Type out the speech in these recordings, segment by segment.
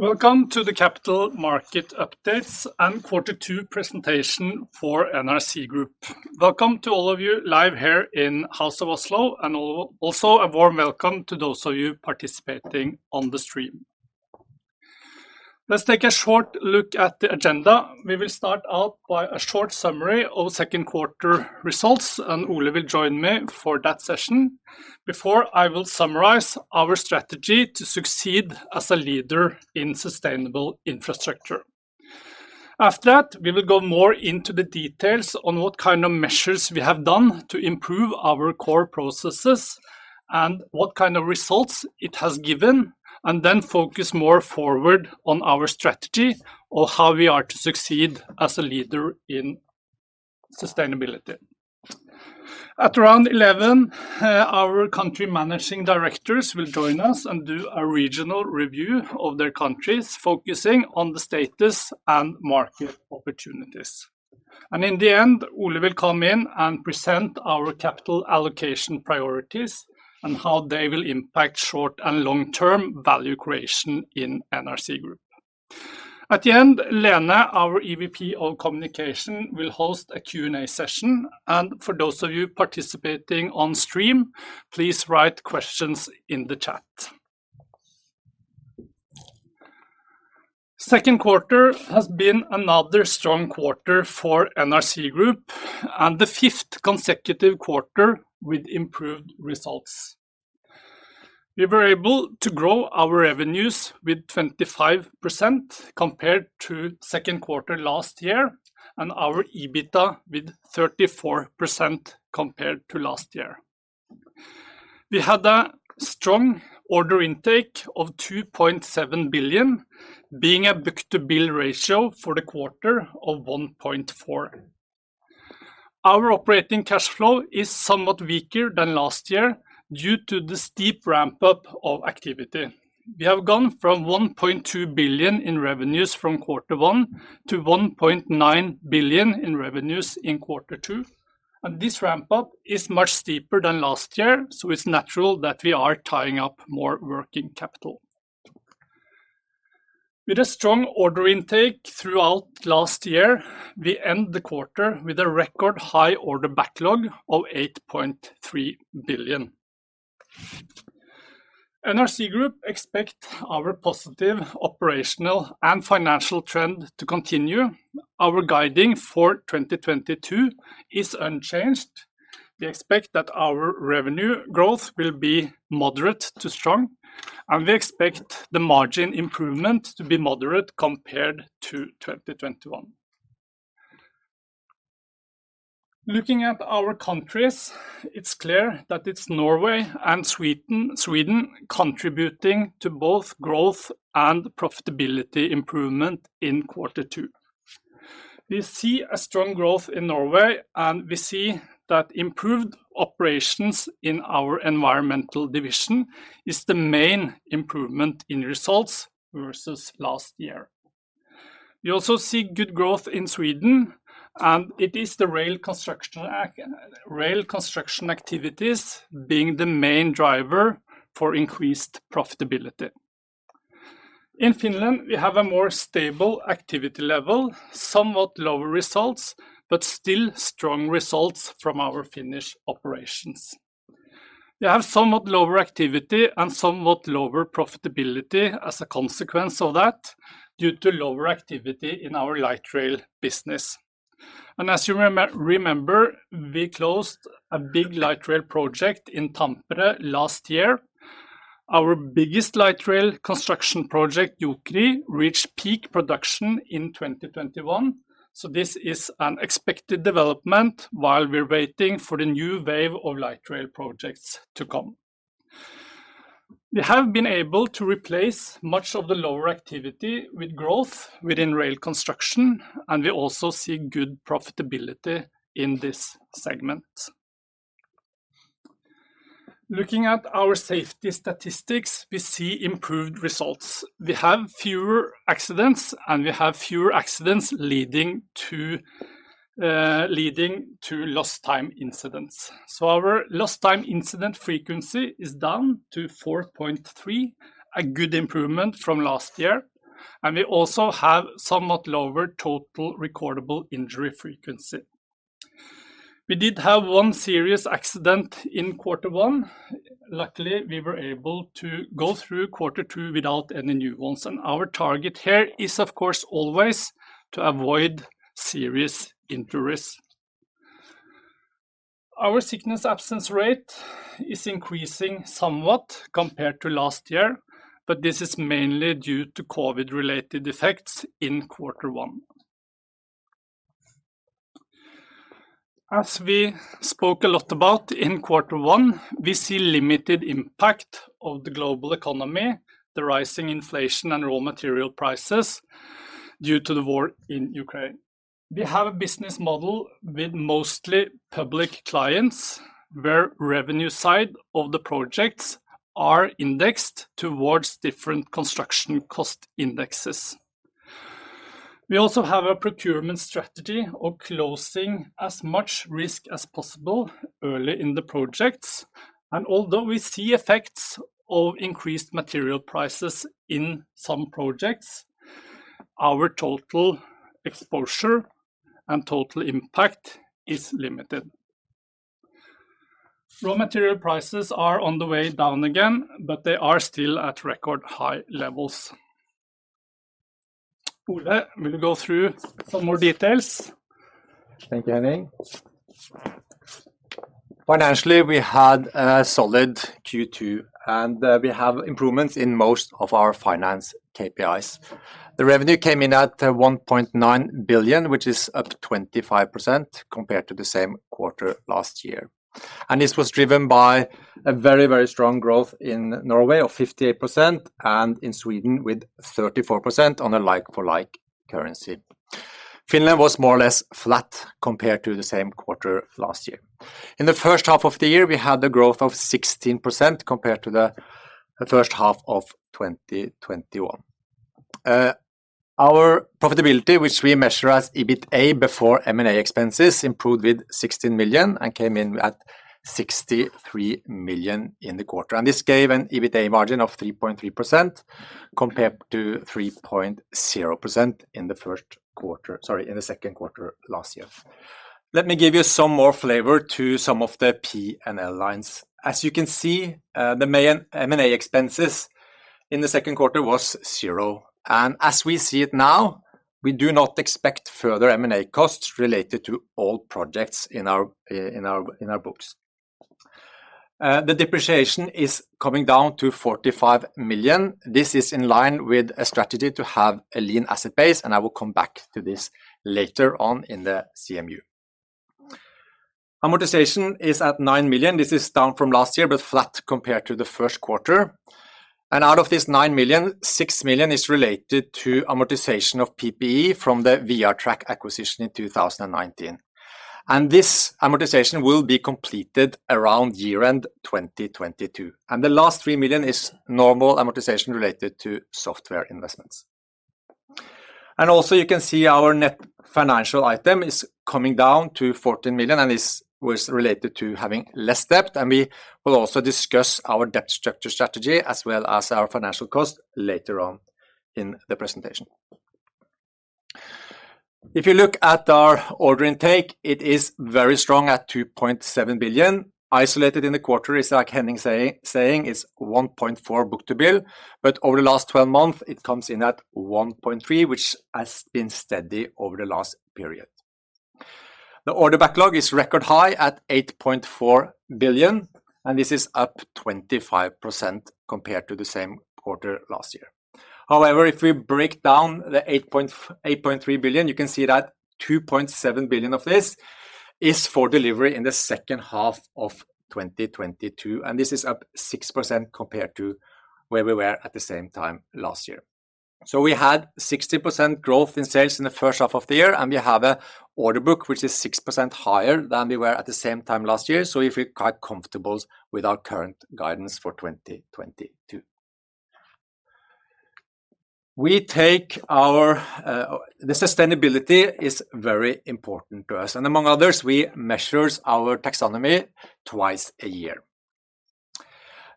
Welcome to the capital market updates and quarter two presentation for NRC Group. Welcome to all of you live here in House of Oslo, and also a warm welcome to those of you participating on the stream. Let's take a short look at the agenda. We will start out by a short summary of second quarter results, and Ole will join me for that session before I will summarize our strategy to succeed as a leader in sustainable infrastructure. After that, we will go more into the details on what kind of measures we have done to improve our core processes and what kind of results it has given, and then focus more forward on our strategy of how we are to succeed as a leader in sustainability. At around 11, our country managing directors will join us and do a regional review of their countries, focusing on the status and market opportunities. In the end, Ole will come in and present our capital allocation priorities and how they will impact short and long-term value creation in NRC Group. At the end, Lene, our EVP of Communications, will host a Q&A session. For those of you participating on stream, please write questions in the chat. Second quarter has been another strong quarter for NRC Group and the fifth consecutive quarter with improved results. We were able to grow our revenues with 25% compared to second quarter last year and our EBITA with 34% compared to last year. We had a strong order intake of 2.7 billion, being a book-to-bill ratio for the quarter of 1.4. Our operating cash flow is somewhat weaker than last year due to the steep ramp-up of activity. We have gone from 1.2 billion in revenues from quarter one to 1.9 billion in revenues in quarter two. This ramp-up is much steeper than last year, so it's natural that we are tying up more working capital. With a strong order intake throughout last year, we end the quarter with a record high order backlog of 8.3 billion. NRC Group expect our positive operational and financial trend to continue. Our guidance for 2022 is unchanged. We expect that our revenue growth will be moderate to strong, and we expect the margin improvement to be moderate compared to 2021. Looking at our countries, it's clear that it's Norway and Sweden contributing to both growth and profitability improvement in quarter two. We see a strong growth in Norway, and we see that improved operations in our environmental division is the main improvement in results versus last year. We also see good growth in Sweden, and it is the rail construction activities being the main driver for increased profitability. In Finland, we have a more stable activity level, somewhat lower results, but still strong results from our Finnish operations. We have somewhat lower activity and somewhat lower profitability as a consequence of that due to lower activity in our light rail business. As you remember, we closed a big light rail project in Tampere last year. Our biggest light rail construction project, Jokeri, reached peak production in 2021, so this is an expected development while we're waiting for the new wave of light rail projects to come. We have been able to replace much of the lower activity with growth within rail construction, and we also see good profitability in this segment. Looking at our safety statistics, we see improved results. We have fewer accidents, and we have fewer accidents leading to lost time incidents. Our lost time incident frequency is down to 4.3, a good improvement from last year, and we also have somewhat lower total recordable injury frequency. We did have one serious accident in quarter one. Luckily, we were able to go through quarter two without any new ones, and our target here is of course always to avoid serious injuries. Our sickness absence rate is increasing somewhat compared to last year, but this is mainly due to COVID-related effects in quarter one. As we spoke a lot about in quarter one, we see limited impact of the global economy, the rising inflation and raw material prices due to the war in Ukraine. We have a business model with mostly public clients where revenue side of the projects are indexed towards different construction cost indexes. We also have a procurement strategy of closing as much risk as possible early in the projects. Although we see effects of increased material prices in some projects, our total exposure and total impact is limited. Raw material prices are on the way down again, but they are still at record high levels. Ole will go through some more details. Thank you, Henning. Financially, we had a solid Q2, and we have improvements in most of our financial KPIs. The revenue came in at 1.9 billion, which is up 25% compared to the same quarter last year. This was driven by a very, very strong growth in Norway of 58% and in Sweden with 34% on a like for like currency. Finland was more or less flat compared to the same quarter last year. In the first half of the year, we had the growth of 16% compared to the first half of 2021. Our profitability, which we measure as EBITA before M&A expenses, improved with 16 million and came in at 63 million in the quarter. This gave an EBITA margin of 3.3% compared to 3.0% in the first quarter. Sorry, in the second quarter last year. Let me give you some more flavor to some of the P&L lines. As you can see, the main M&A expenses in the second quarter was 0. As we see it now, we do not expect further M&A costs related to old projects in our books. The depreciation is coming down to 45 million. This is in line with a strategy to have a lean asset base, and I will come back to this later on in the CMU. Amortization is at 9 million. This is down from last year, but flat compared to the first quarter. Out of this 9 million, 6 million is related to amortization of PPE from the VR Track acquisition in 2019. This amortization will be completed around year-end 2022. The last 3 million is normal amortization related to software investments. Also you can see our net financial item is coming down to 14 million, and this was related to having less debt. We will also discuss our debt structure strategy as well as our financial cost later on in the presentation. If you look at our order intake, it is very strong at 2.7 billion. Isolated in the quarter, it's like Henning saying, it's 1.4 book-to-bill. Over the last 12 months it comes in at 1.3, which has been steady over the last period. The order backlog is record high at 8.4 billion, and this is up 25% compared to the same quarter last year. However, if we break down the 8.3 billion, you can see that 2.7 billion of this is for delivery in the second half of 2022, and this is up 6% compared to where we were at the same time last year. We had 60% growth in sales in the first half of the year, and we have an order book which is 6% higher than we were at the same time last year. We feel quite comfortable with our current guidance for 2022. We take our, the sustainability is very important to us, and among others, we measures our taxonomy twice a year.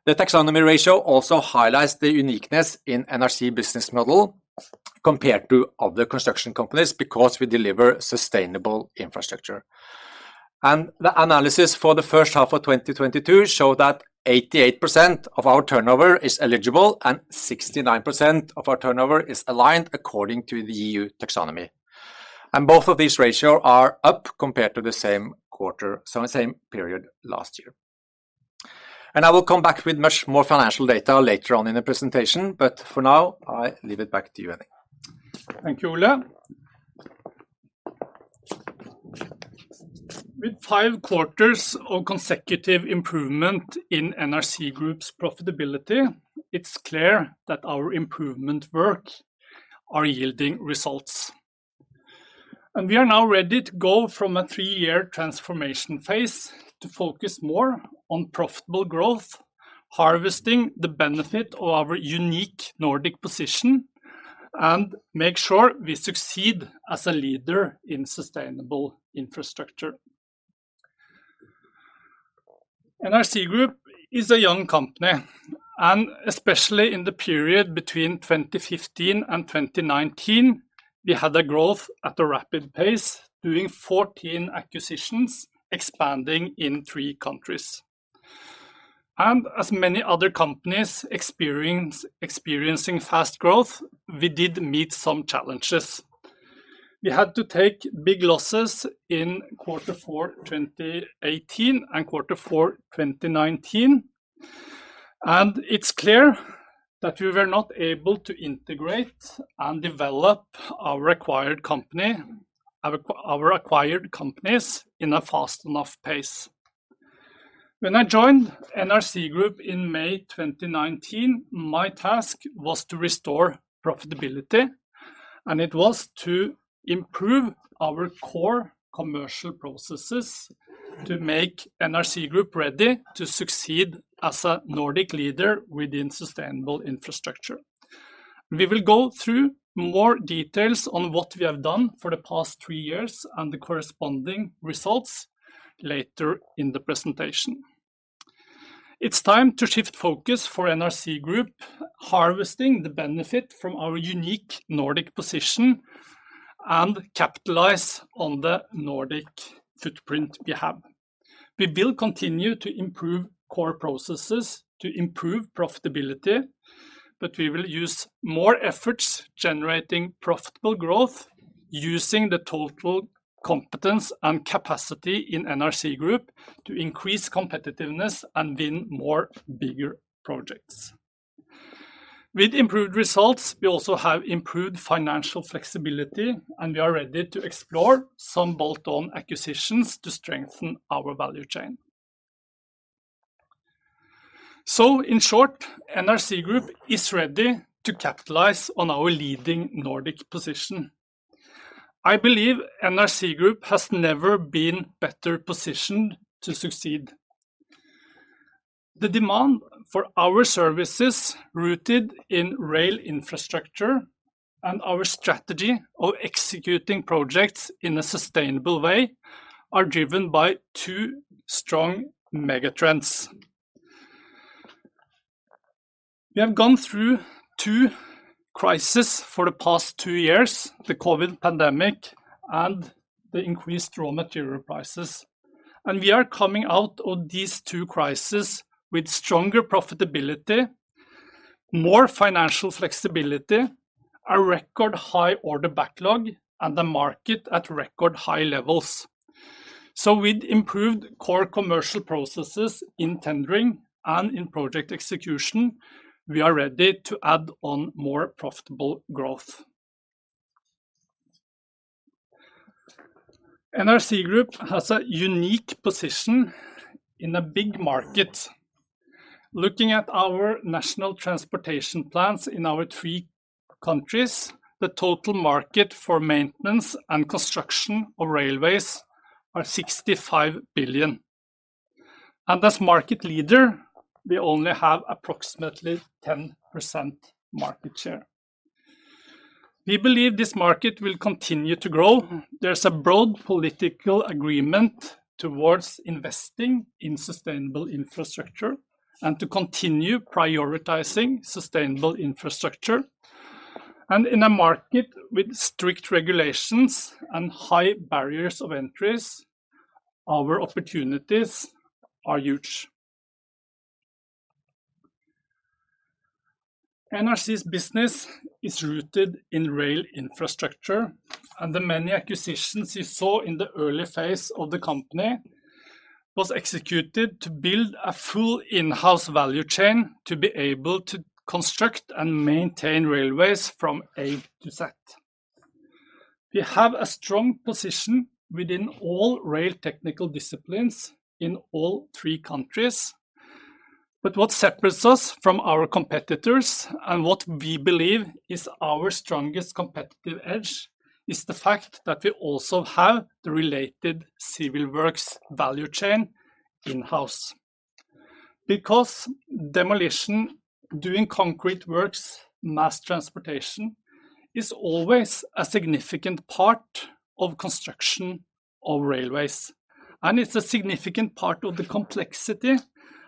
The taxonomy ratio also highlights the uniqueness in NRC business model compared to other construction companies because we deliver sustainable infrastructure. The analysis for the first half of 2022 show that 88% of our turnover is eligible and 69% of our turnover is aligned according to the EU Taxonomy. Both of these ratio are up compared to the same quarter, so same period last year. I will come back with much more financial data later on in the presentation, but for now, I hand it back to you, Henning. Thank you, Ole. With five quarters of consecutive improvement in NRC Group's profitability, it's clear that our improvement work are yielding results. We are now ready to go from a three-year transformation phase to focus more on profitable growth, harvesting the benefit of our unique Nordic position and make sure we succeed as a leader in sustainable infrastructure. NRC Group is a young company, and especially in the period between 2015 and 2019, we had a growth at a rapid pace doing 14 acquisitions, expanding in three countries. As many other companies experiencing fast growth, we did meet some challenges. We had to take big losses in Q4 2018 and Q4 2019, and it's clear that we were not able to integrate and develop our acquired companies in a fast enough pace. When I joined NRC Group in May 2019, my task was to restore profitability, and it was to improve our core commercial processes to make NRC Group ready to succeed as a Nordic leader within sustainable infrastructure. We will go through more details on what we have done for the past three years and the corresponding results later in the presentation. It's time to shift focus for NRC Group, harvesting the benefit from our unique Nordic position and capitalize on the Nordic footprint we have. We will continue to improve core processes to improve profitability, but we will use more efforts generating profitable growth using the total competence and capacity in NRC Group to increase competitiveness and win more bigger projects. With improved results, we also have improved financial flexibility and we are ready to explore some bolt-on acquisitions to strengthen our value chain. In short, NRC Group is ready to capitalize on our leading Nordic position. I believe NRC Group has never been better positioned to succeed. The demand for our services rooted in rail infrastructure and our strategy of executing projects in a sustainable way, are driven by two strong megatrends. We have gone through two crises for the past two years, the COVID pandemic and the increased raw material prices. We are coming out of these two crises with stronger profitability, more financial flexibility, a record high order backlog, and the market at record high levels. With improved core commercial processes in tendering and in project execution, we are ready to add on more profitable growth. NRC Group has a unique position in a big market. Looking at our national transportation plans in our three countries, the total market for maintenance and construction of railways are 65 billion. As market leader, we only have approximately 10% market share. We believe this market will continue to grow. There's a broad political agreement toward investing in sustainable infrastructure and to continue prioritizing sustainable infrastructure. In a market with strict regulations and high barriers to entry, our opportunities are huge. NRC's business is rooted in rail infrastructure, and the many acquisitions you saw in the early phase of the company was executed to build a full in-house value chain to be able to construct and maintain railways from A-Z. We have a strong position within all rail technical disciplines in all three countries. What separates us from our competitors, and what we believe is our strongest competitive edge, is the fact that we also have the related civil works value chain in-house. Demolition, doing concrete works, mass transportation, is always a significant part of construction of railways, and it's a significant part of the complexity,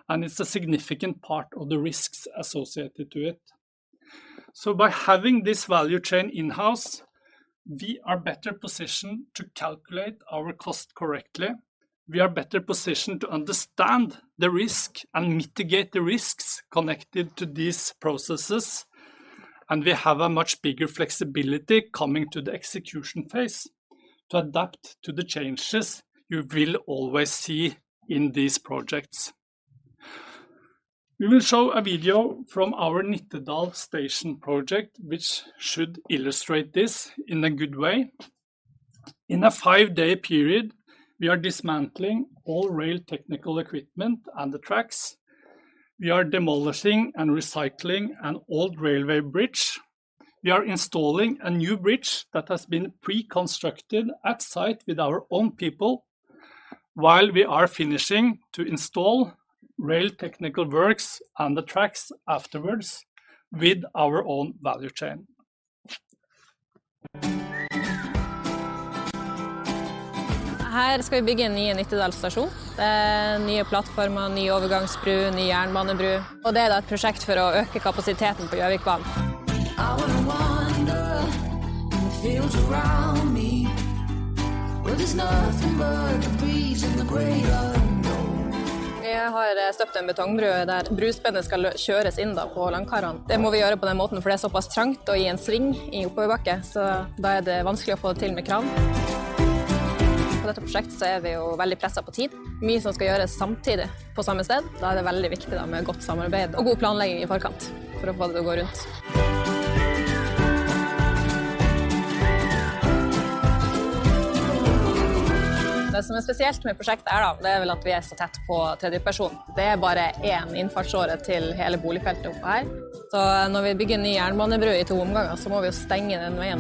and it's a significant part of the risks associated to it. By having this value chain in-house, we are better positioned to calculate our cost correctly. We are better positioned to understand the risk and mitigate the risks connected to these processes, and we have a much bigger flexibility coming to the execution phase to adapt to the changes you will always see in these projects. We will show a video from our Nittedal station project, which should illustrate this in a good way. In a five-day period, we are dismantling all rail technical equipment and the tracks. We are demolishing and recycling an old railway bridge. We are installing a new bridge that has been pre-constructed at site with our own people, while we are finishing to install rail technical works and the tracks afterwards with our own value chain. Her skal vi bygge en ny Nittedal stasjon. Det er nye plattformer, ny overgangsbro, ny jernbanebro. Det er da et prosjekt for å øke kapasiteten på Gjøvikbanen. Vi har støpt en betongbro der brospennet skal kjøres inn da på landkarene. Det må vi gjøre på den måten, for det er såpass trangt og i en sving i oppoverbakke, så da er det vanskelig å få det til med kran. På dette prosjekt så er vi jo veldig presset på tid. Mye som skal gjøres samtidig på samme sted. Da er det veldig viktig da med godt samarbeid og god planlegging i forkant for å få det til å gå rundt. Det som er spesielt med prosjektet er da, det er vel at vi er så tett på tredjeperson. Det er bare en innfartsåre til hele boligfeltet oppå her. Når vi begynner ny jernbanebru i to omganger, så må vi jo stenge den veien.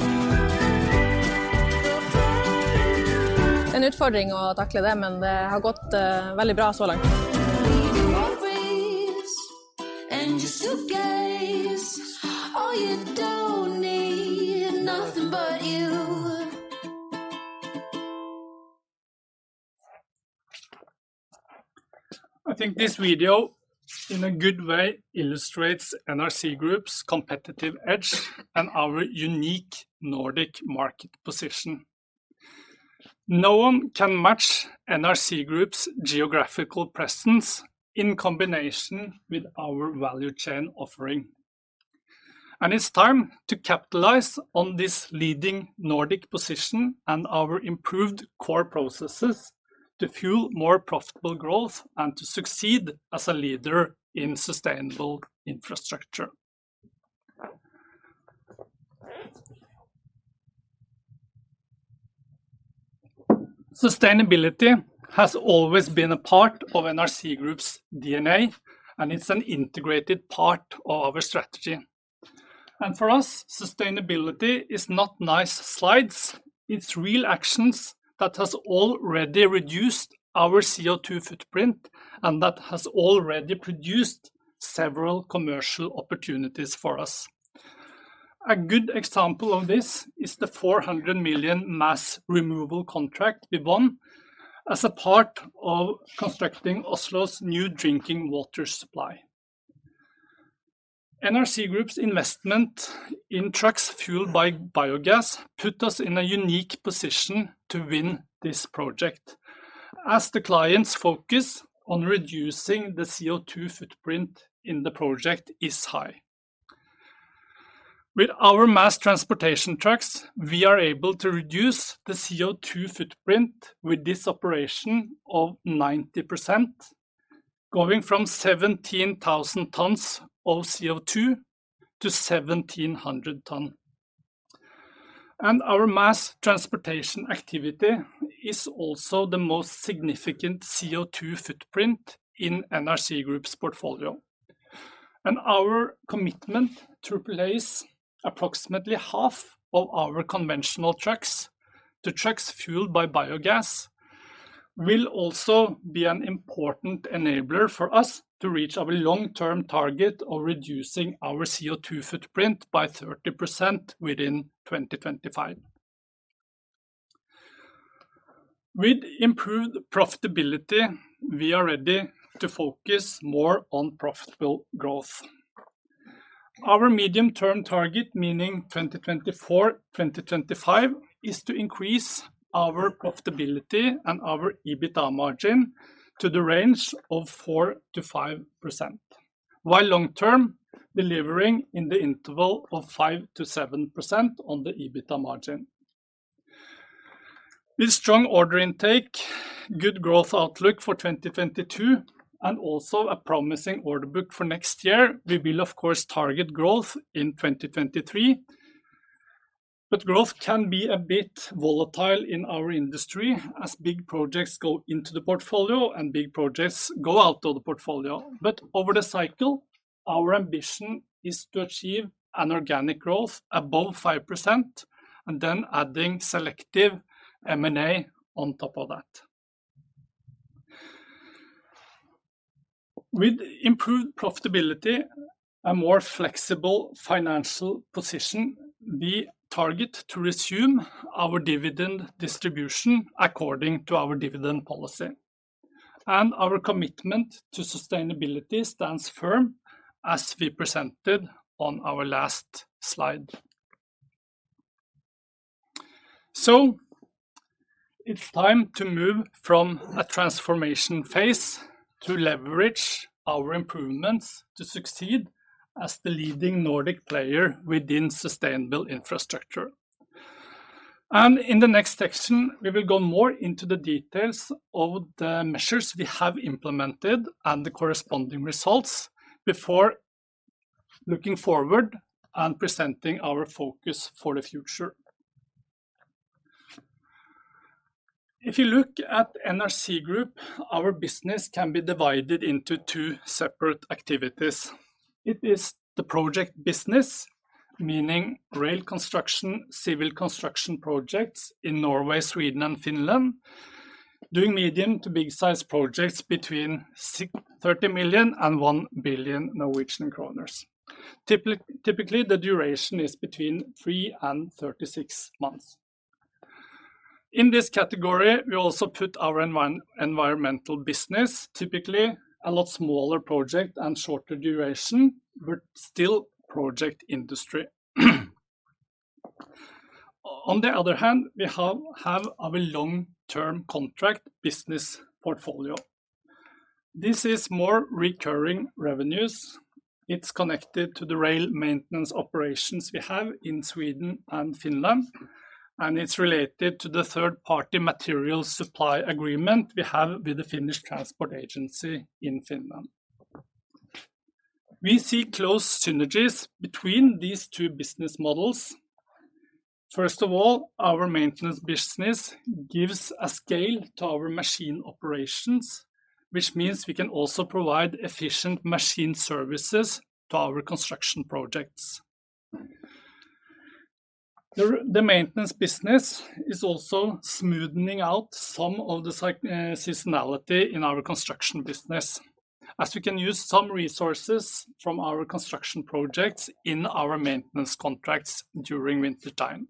En utfordring å takle det, men det har gått, veldig bra så langt. I think this video in a good way illustrates NRC Group's competitive edge and our unique Nordic market position. No one can match NRC Group's geographical presence in combination with our value chain offering. It's time to capitalize on this leading Nordic position and our improved core processes to fuel more profitable growth and to succeed as a leader in sustainable infrastructure. Sustainability has always been a part of NRC Group's DNA, and it's an integrated part of our strategy. For us, sustainability is not nice slides, it's real actions that has already reduced our CO2 footprint and that has already produced several commercial opportunities for us. A good example of this is the 400 million mass removal contract we won as a part of constructing Oslo's new drinking water supply. NRC Group's investment in trucks fueled by biogas put us in a unique position to win this project, as the client's focus on reducing the CO2 footprint in the project is high. With our mass transportation trucks, we are able to reduce the CO2 footprint with this operation of 90%, going from 17,000 tons of CO2 to 1,700 tons. Our mass transportation activity is also the most significant CO2 footprint in NRC Group's portfolio. Our commitment to replace approximately half of our conventional trucks to trucks fueled by biogas will also be an important enabler for us to reach our long-term target of reducing our CO2 footprint by 30% within 2025. With improved profitability, we are ready to focus more on profitable growth. Our medium-term target, meaning 2024/2025, is to increase our profitability and our EBITDA margin to the range of 4%-5%, while long term, delivering in the interval of 5%-7% on the EBITDA margin. With strong order intake, good growth outlook for 2022, and also a promising order book for next year, we will of course target growth in 2023. Growth can be a bit volatile in our industry as big projects go into the portfolio and big projects go out of the portfolio. Over the cycle, our ambition is to achieve an organic growth above 5% and then adding selective M&A on top of that. With improved profitability, a more flexible financial position, we target to resume our dividend distribution according to our dividend policy. Our commitment to sustainability stands firm, as we presented on our last slide. It's time to move from a transformation phase to leverage our improvements to succeed as the leading Nordic player within sustainable infrastructure. In the next section, we will go more into the details of the measures we have implemented and the corresponding results before looking forward and presenting our focus for the future. If you look at NRC Group, our business can be divided into two separate activities. It is the project business, meaning rail construction, civil construction projects in Norway, Sweden, and Finland, doing medium to big-size projects between 6 million-30 million and 1 billion Norwegian kroner. Typically, the duration is between three and 36 months. In this category, we also put our environmental business, typically a lot smaller project and shorter duration, but still project industry. On the other hand, we have our long-term contract business portfolio. This is more recurring revenues. It's connected to the rail maintenance operations we have in Sweden and Finland, and it's related to the third-party material supply agreement we have with the Finnish Transport Infrastructure Agency in Finland. We see close synergies between these two business models. First of all, our maintenance business gives a scale to our machine operations, which means we can also provide efficient machine services to our construction projects. The maintenance business is also smoothing out some of the seasonality in our construction business, as we can use some resources from our construction projects in our maintenance contracts during wintertime.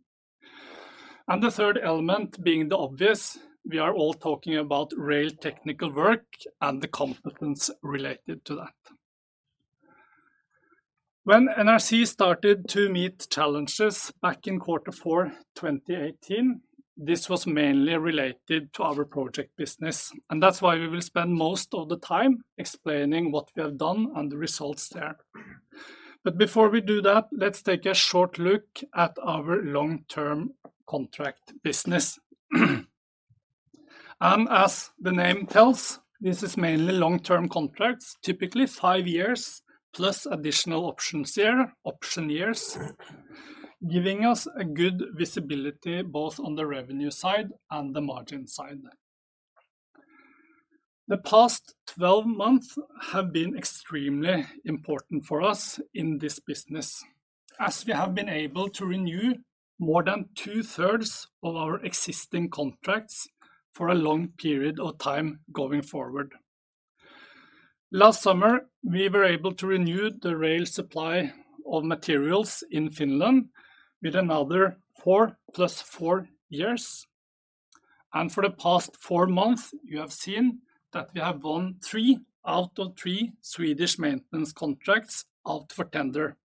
The third element being the obvious, we are all talking about rail technical work and the competence related to that. When NRC started to meet challenges back in quarter four, 2018, this was mainly related to our project business, and that's why we will spend most of the time explaining what we have done and the results there. Before we do that, let's take a short look at our long-term contract business. As the name tells, this is mainly long-term contracts, typically five years plus additional options year, option years, giving us a good visibility both on the revenue side and the margin side. The past 12 months have been extremely important for us in this business, as we have been able to renew more than two-thirds of our existing contracts for a long period of time going forward. Last summer, we were able to renew the rail supply of materials in Finland with another four + four years. For the past four months, you have seen that we have won three out of three Swedish maintenance contracts out for tender.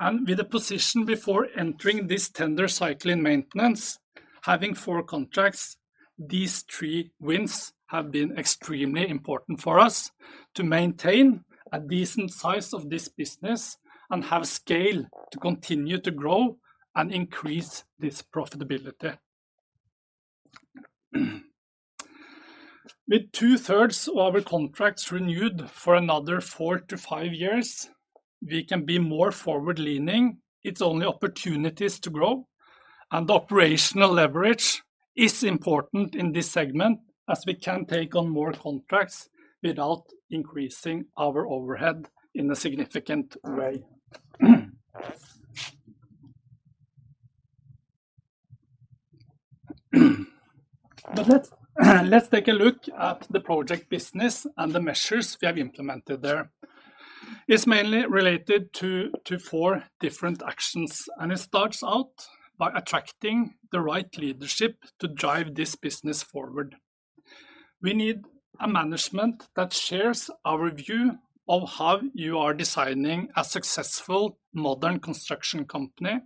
With the position before entering this tender cycle in maintenance, having four contracts, these three wins have been extremely important for us to maintain a decent size of this business and have scale to continue to grow and increase this profitability. With two-thirds of our contracts renewed for another four-five years, we can be more forward-leaning. It's only opportunities to grow, and operational leverage is important in this segment, as we can take on more contracts without increasing our overhead in a significant way. Let's take a look at the project business and the measures we have implemented there. It's mainly related to four different actions, and it starts out by attracting the right leadership to drive this business forward. We need a management that shares our view of how you are designing a successful modern construction company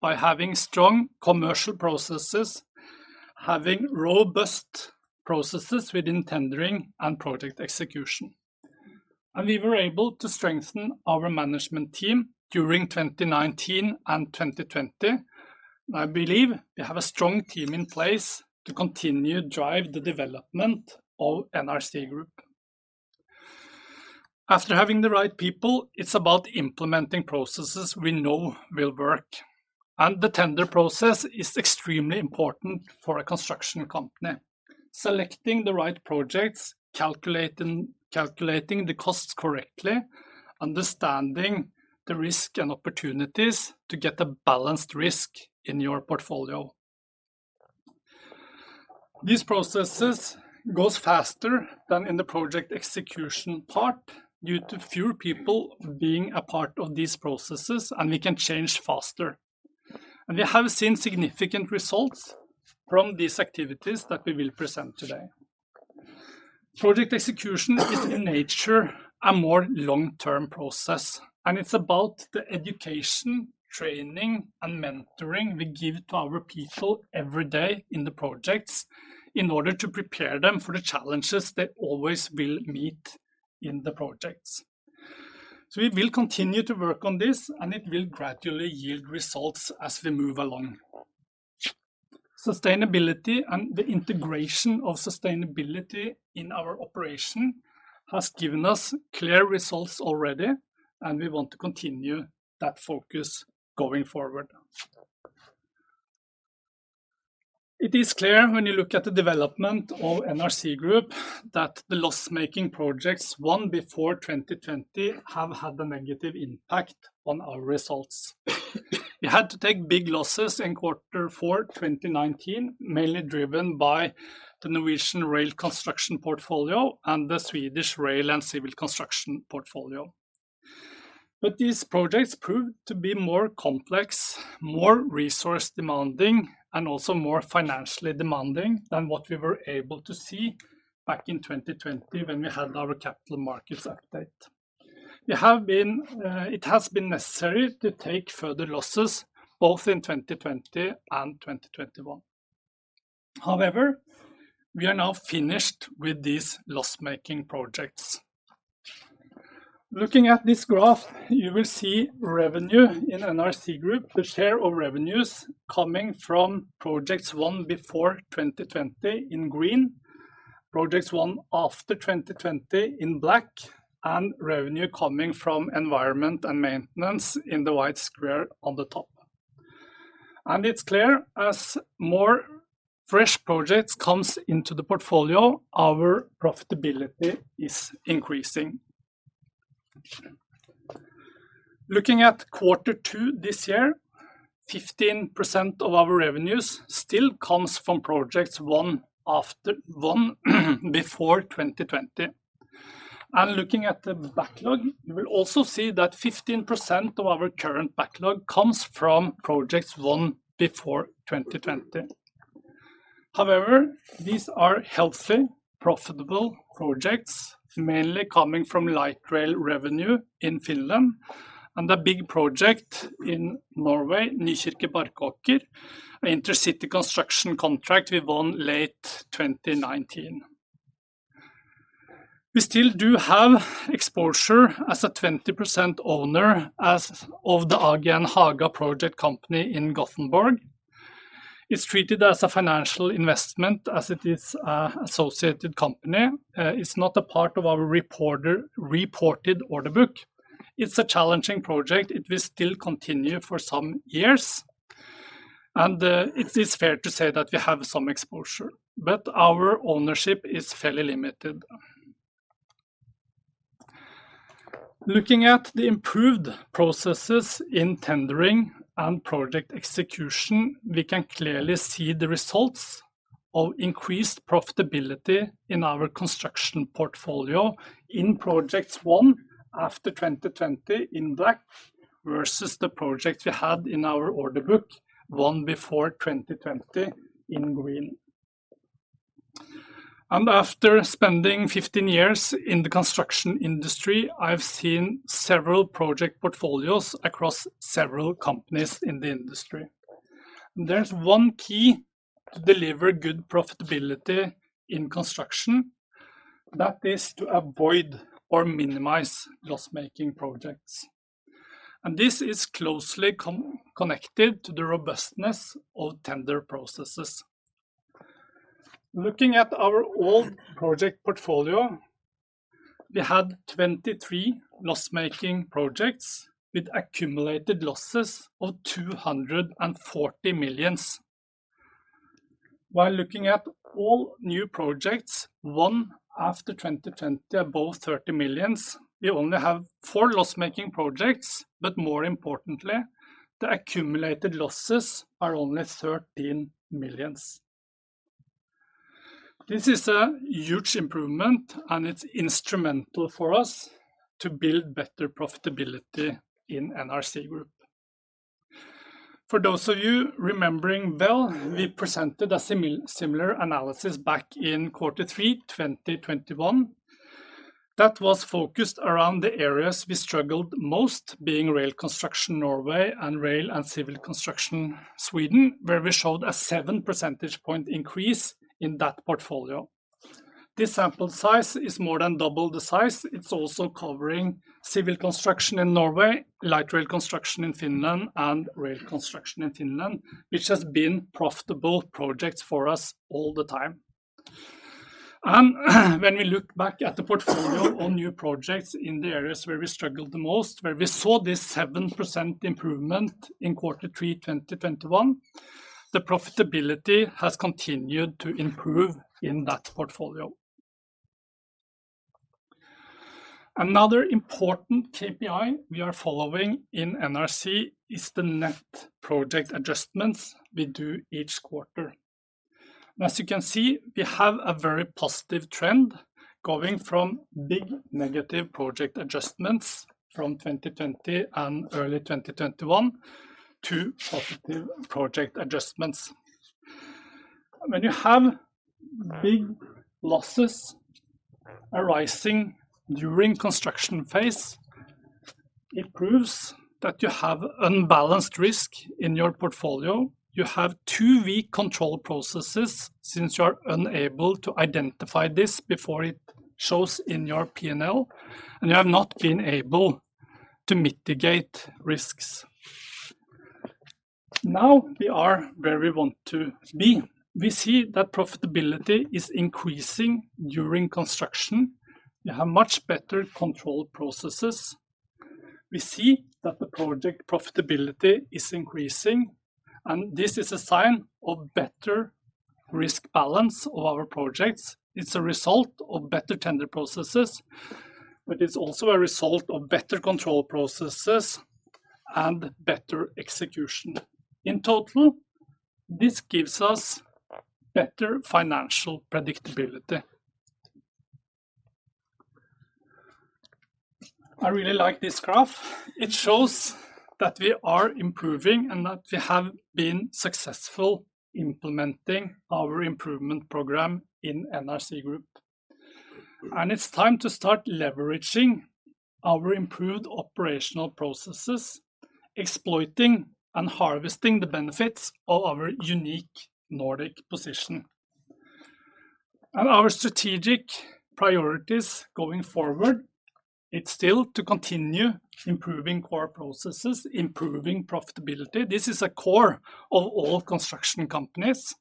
by having strong commercial processes, having robust processes within tendering and project execution. We were able to strengthen our management team during 2019 and 2020. I believe we have a strong team in place to continue to drive the development of NRC Group. After having the right people, it's about implementing processes we know will work. The tender process is extremely important for a construction company. Selecting the right projects, calculating the costs correctly, understanding the risk and opportunities to get a balanced risk in your portfolio. These processes goes faster than in the project execution part due to fewer people being a part of these processes, and we can change faster. We have seen significant results from these activities that we will present today. Project execution is in nature a more long-term process, and it's about the education, training, and mentoring we give to our people every day in the projects in order to prepare them for the challenges they always will meet in the projects. We will continue to work on this, and it will gradually yield results as we move along. Sustainability and the integration of sustainability in our operation has given us clear results already, and we want to continue that focus going forward. It is clear when you look at the development of NRC Group that the loss-making projects won before 2020 have had a negative impact on our results. We had to take big losses in quarter four 2019, mainly driven by the Norwegian rail construction portfolio and the Swedish rail and civil construction portfolio. These projects proved to be more complex, more resource demanding, and also more financially demanding than what we were able to see back in 2020 when we had our capital markets update. It has been necessary to take further losses both in 2020 and 2021. However, we are now finished with these loss-making projects. Looking at this graph, you will see revenue in NRC Group, the share of revenues coming from projects won before 2020 in green, projects won after 2020 in black, and revenue coming from environment and maintenance in the white square on the top. It's clear as more fresh projects comes into the portfolio, our profitability is increasing. Looking at quarter two this year, 15% of our revenues still comes from projects won before 2020. Looking at the backlog, you will also see that 15% of our current backlog comes from projects won before 2020. However, these are healthy, profitable projects, mainly coming from light rail revenue in Finland and a big project in Norway, Nykirke-Barkåker, an intercity construction contract we won late 2019. We still do have exposure as a 20% owner of the AGN Haga project company in Gothenburg. It's treated as a financial investment as it is, associated company. It's not a part of our reported order book. It's a challenging project. It will still continue for some years, and it is fair to say that we have some exposure, but our ownership is fairly limited. Looking at the improved processes in tendering and project execution, we can clearly see the results of increased profitability in our construction portfolio in projects won after 2020 in black versus the projects we had in our order book won before 2020 in green. After spending 15 years in the construction industry, I've seen several project portfolios across several companies in the industry. There's one key to deliver good profitability in construction. That is to avoid or minimize loss-making projects. This is closely connected to the robustness of tender processes. Looking at our old project portfolio, we had 23 loss-making projects with accumulated losses of 240 million. While looking at all new projects, won after 2020, above 30 million, we only have four loss-making projects, but more importantly, the accumulated losses are only 13 million. This is a huge improvement, and it's instrumental for us to build better profitability in NRC Group. For those of you remembering well, we presented a similar analysis back in quarter three, 2021. That was focused around the areas we struggled most, being rail construction Norway and rail and civil construction Sweden, where we showed a seven percentage point increase in that portfolio. This sample size is more than double the size. It's also covering civil construction in Norway, light rail construction in Finland, and rail construction in Finland, which has been profitable projects for us all the time. When we look back at the portfolio on new projects in the areas where we struggled the most, where we saw this 7% improvement in quarter three, 2021, the profitability has continued to improve in that portfolio. Another important KPI we are following in NRC is the net project adjustments we do each quarter. As you can see, we have a very positive trend going from big negative project adjustments from 2020 and early 2021 to positive project adjustments. When you have big losses arising during construction phase, it proves that you have unbalanced risk in your portfolio. You have too weak control processes since you are unable to identify this before it shows in your P&L, and you have not been able to mitigate risks. Now we are where we want to be. We see that profitability is increasing during construction. We have much better control processes. We see that the project profitability is increasing, and this is a sign of better risk balance of our projects. It's a result of better tender processes, but it's also a result of better control processes and better execution. In total, this gives us better financial predictability. I really like this graph. It shows that we are improving and that we have been successful implementing our improvement program in NRC Group. It's time to start leveraging our improved operational processes, exploiting and harvesting the benefits of our unique Nordic position. Our strategic priorities going forward, it's still to continue improving core processes, improving profitability. This is a core of all construction companies,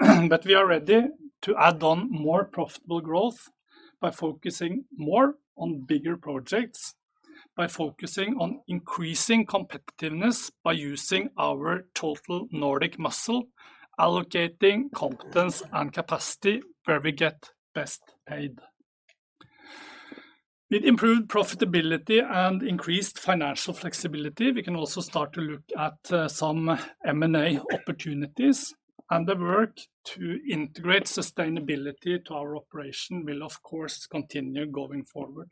but we are ready to add on more profitable growth by focusing more on bigger projects. By focusing on increasing competitiveness by using our total Nordic muscle, allocating competence and capacity where we get best paid. With improved profitability and increased financial flexibility, we can also start to look at some M&A opportunities, and the work to integrate sustainability to our operation will of course continue going forward.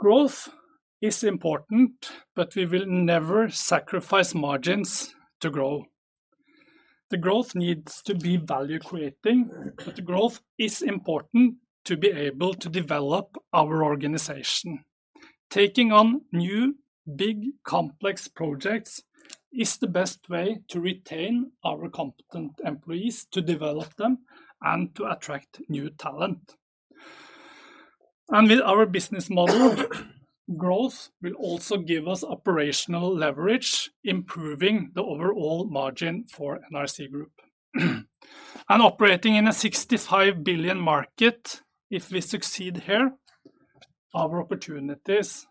Growth is important, but we will never sacrifice margins to grow. The growth needs to be value-creating, but the growth is important to be able to develop our organization. Taking on new, big, complex projects is the best way to retain our competent employees, to develop them and to attract new talent. With our business model, growth will also give us operational leverage, improving the overall margin for NRC Group. Operating in a 65 billion market, if we succeed here, our opportunities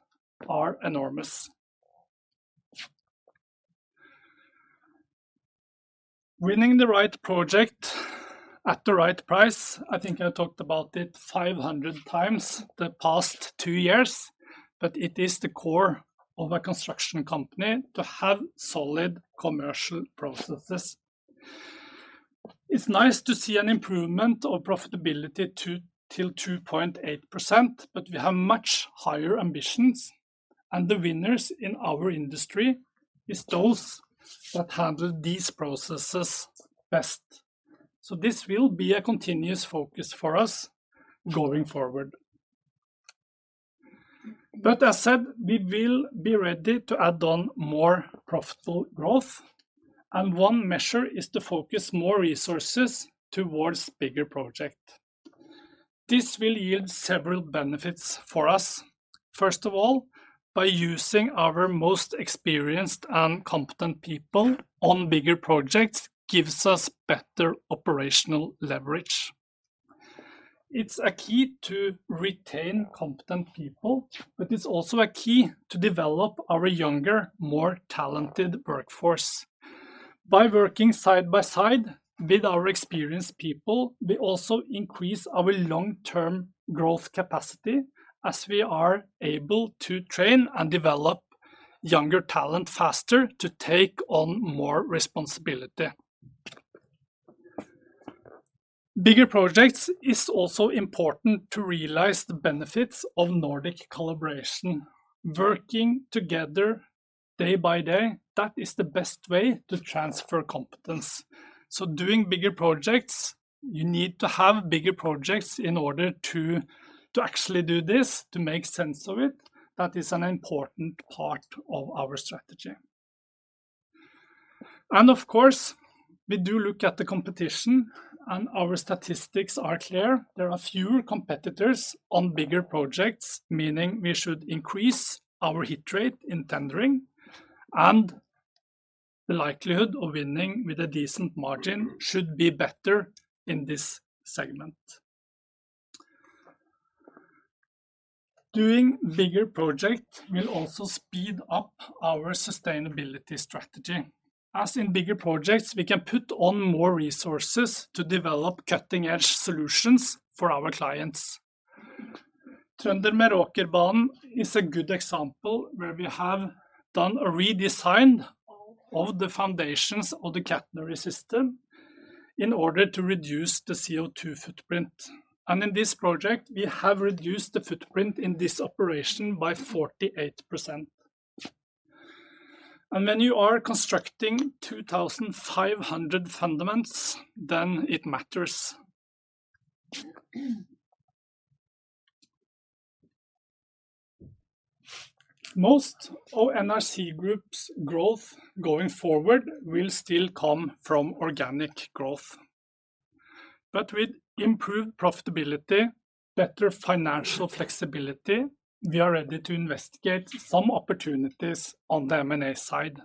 are enormous. Winning the right project at the right price, I think I talked about it 500 times the past two years, but it is the core of a construction company to have solid commercial processes. It's nice to see an improvement of profitability to till 2.8%, but we have much higher ambitions, and the winners in our industry is those that handle these processes best. This will be a continuous focus for us going forward. As said, we will be ready to add on more profitable growth and one measure is to focus more resources towards bigger project. This will yield several benefits for us. First of all, by using our most experienced and competent people on bigger projects gives us better operational leverage. It's a key to retain competent people, but it's also a key to develop our younger, more talented workforce. By working side by side with our experienced people, we also increase our long-term growth capacity as we are able to train and develop younger talent faster to take on more responsibility. Bigger projects is also important to realize the benefits of Nordic collaboration. Working together day by day, that is the best way to transfer competence. Doing bigger projects, you need to have bigger projects in order to actually do this, to make sense of it. That is an important part of our strategy. Of course, we do look at the competition and our statistics are clear. There are fewer competitors on bigger projects, meaning we should increase our hit rate in tendering and the likelihood of winning with a decent margin should be better in this segment. Doing bigger project will also speed up our sustainability strategy. As in bigger projects, we can put on more resources to develop cutting-edge solutions for our clients. Trønder- og Meråkerbanen is a good example where we have done a redesign of the foundations of the catenary system in order to reduce the CO2 footprint. In this project, we have reduced the footprint in this operation by 48%. When you are constructing 2,500 foundations, then it matters. Most of NRC Group's growth going forward will still come from organic growth. With improved profitability, better financial flexibility, we are ready to investigate some opportunities on the M&A side.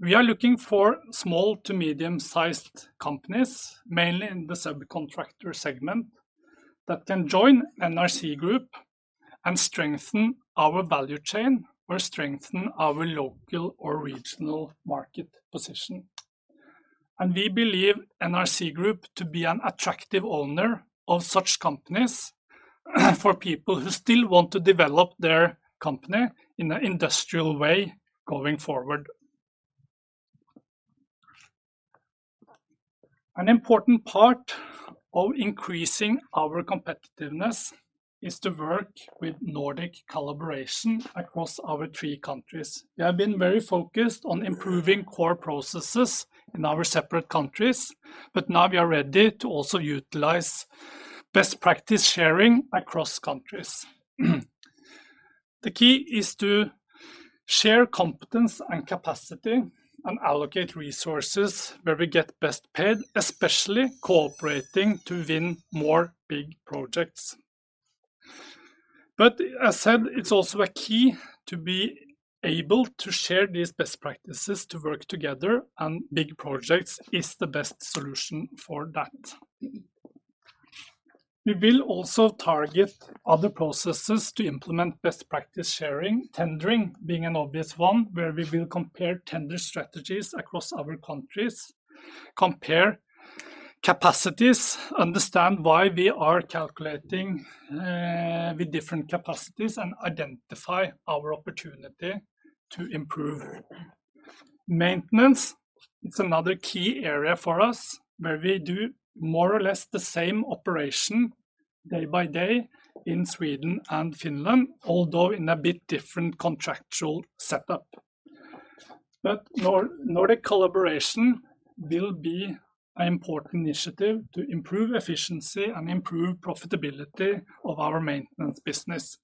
We are looking for small to medium-sized companies, mainly in the subcontractor segment, that can join NRC Group and strengthen our value chain or strengthen our local or regional market position. We believe NRC Group to be an attractive owner of such companies for people who still want to develop their company in an industrial way going forward. An important part of increasing our competitiveness is to work with Nordic collaboration across our three countries. We have been very focused on improving core processes in our separate countries, but now we are ready to also utilize best practice sharing across countries. The key is to share competence and capacity and allocate resources where we get best paid, especially cooperating to win more big projects. As said, it's also a key to be able to share these best practices to work together and big projects is the best solution for that. We will also target other processes to implement best practice sharing, tendering being an obvious one, where we will compare tender strategies across our countries, compare capacities, understand why we are calculating with different capacities, and identify our opportunity to improve. Maintenance, it's another key area for us where we do more or less the same operation day by day in Sweden and Finland, although in a bit different contractual setup. Nordic collaboration will be an important initiative to improve efficiency and improve profitability of our maintenance business.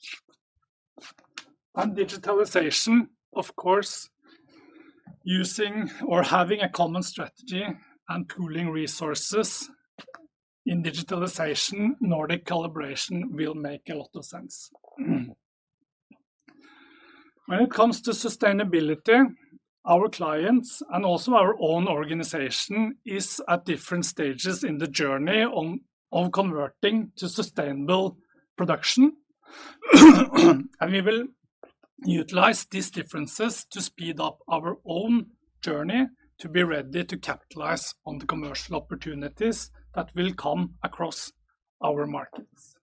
Digitalization, of course, using or having a common strategy and pooling resources in digitalization, Nordic collaboration will make a lot of sense. When it comes to sustainability, our clients and also our own organization is at different stages in the journey on, of converting to sustainable production. We will utilize these differences to speed up our own journey to be ready to capitalize on the commercial opportunities that will come across our markets.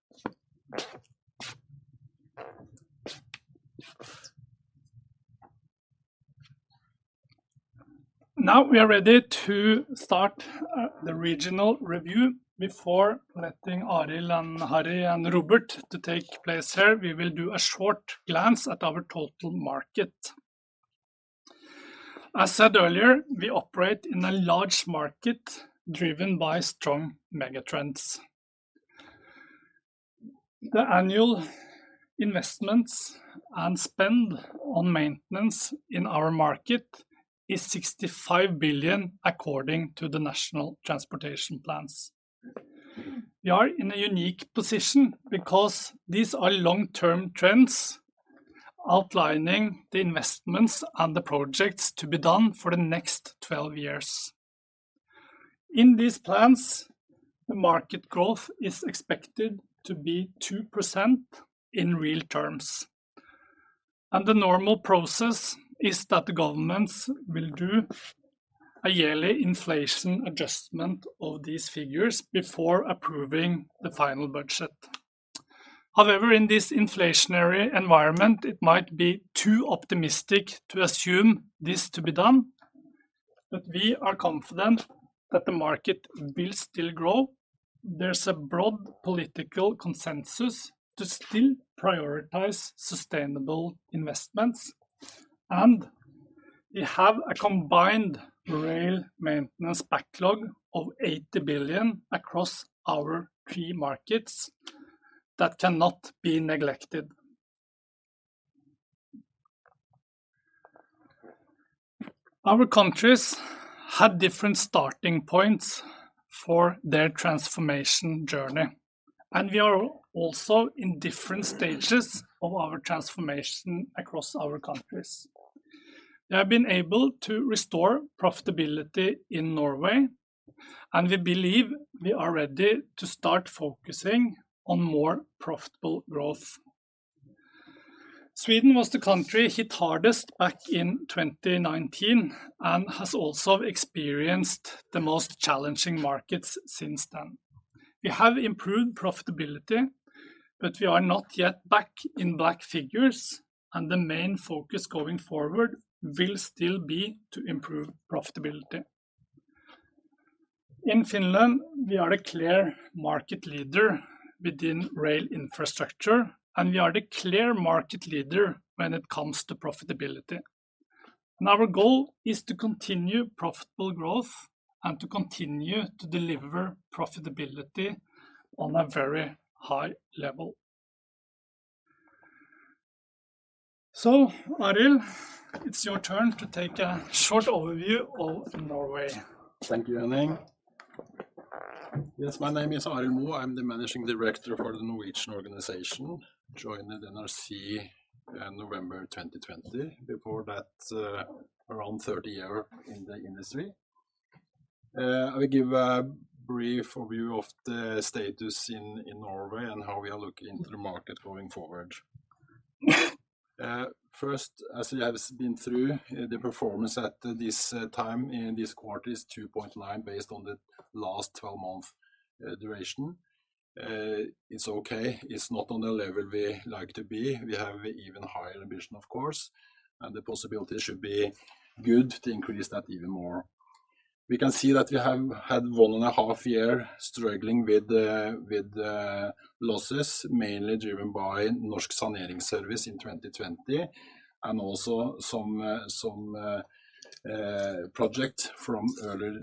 Now, we are ready to start the regional review before letting Arild, Harri, and Robert take place here. We will do a short glance at our total market. As said earlier, we operate in a large market driven by strong mega trends. The annual investments and spend on maintenance in our market is 65 billion, according to the national transportation plans. We are in a unique position because these are long-term trends outlining the investments and the projects to be done for the next 12 years. In these plans, the market growth is expected to be 2% in real terms, and the normal process is that the governments will do a yearly inflation adjustment of these figures before approving the final budget. However, in this inflationary environment, it might be too optimistic to assume this to be done, but we are confident that the market will still grow. There's a broad political consensus to still prioritize sustainable investments, and we have a combined rail maintenance backlog of 80 billion across our three markets that cannot be neglected. Our countries have different starting points for their transformation journey, and we are also in different stages of our transformation across our countries. We have been able to restore profitability in Norway, and we believe we are ready to start focusing on more profitable growth. Sweden was the country hit hardest back in 2019 and has also experienced the most challenging markets since then. We have improved profitability, but we are not yet back in black figures, and the main focus going forward will still be to improve profitability. In Finland, we are the clear market leader within rail infrastructure, and we are the clear market leader when it comes to profitability. Our goal is to continue profitable growth and to continue to deliver profitability on a very high level. Arild, it's your turn to take a short overview of Norway. Thank you, Henning. Yes, my name is Arild Moe. I'm the managing director for the Norwegian organization. Joined NRC in November 2020. Before that, around 30 years in the industry. I will give a brief overview of the status in Norway and how we are looking into the market going forward. First, as we have been through, the performance at this time in this quarter is 2.9 based on the last 12-month duration. It's okay. It's not on the level we like to be. We have even higher ambition, of course, and the possibility should be good to increase that even more. We can see that we have had one and a half year struggling with losses, mainly driven by Norsk Saneringsservice in 2020 and also some project from earlier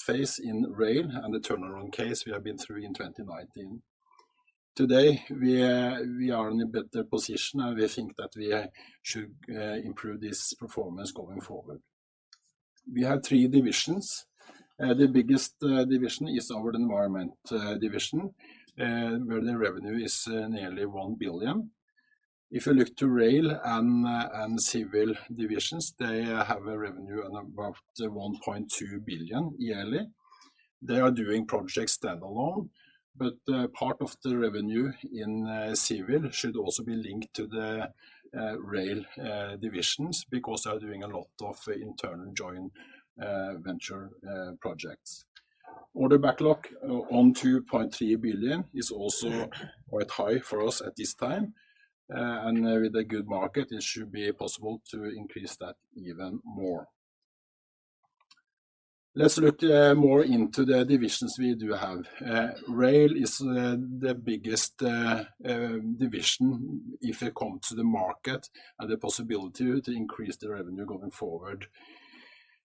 phase in rail and the turnaround case we have been through in 2019. Today, we are in a better position, and we think that we should improve this performance going forward. We have three divisions. The biggest division is our environment division, where the revenue is nearly 1 billion. If you look to rail and civil divisions, they have a revenue on about 1.2 billion yearly. They are doing projects stand-alone, but part of the revenue in civil should also be linked to the rail divisions because they are doing a lot of internal joint venture projects. Order backlog on 2.3 billion is also quite high for us at this time. With a good market, it should be possible to increase that even more. Let's look more into the divisions we do have. Rail is the biggest division if it comes to the market and the possibility to increase the revenue going forward.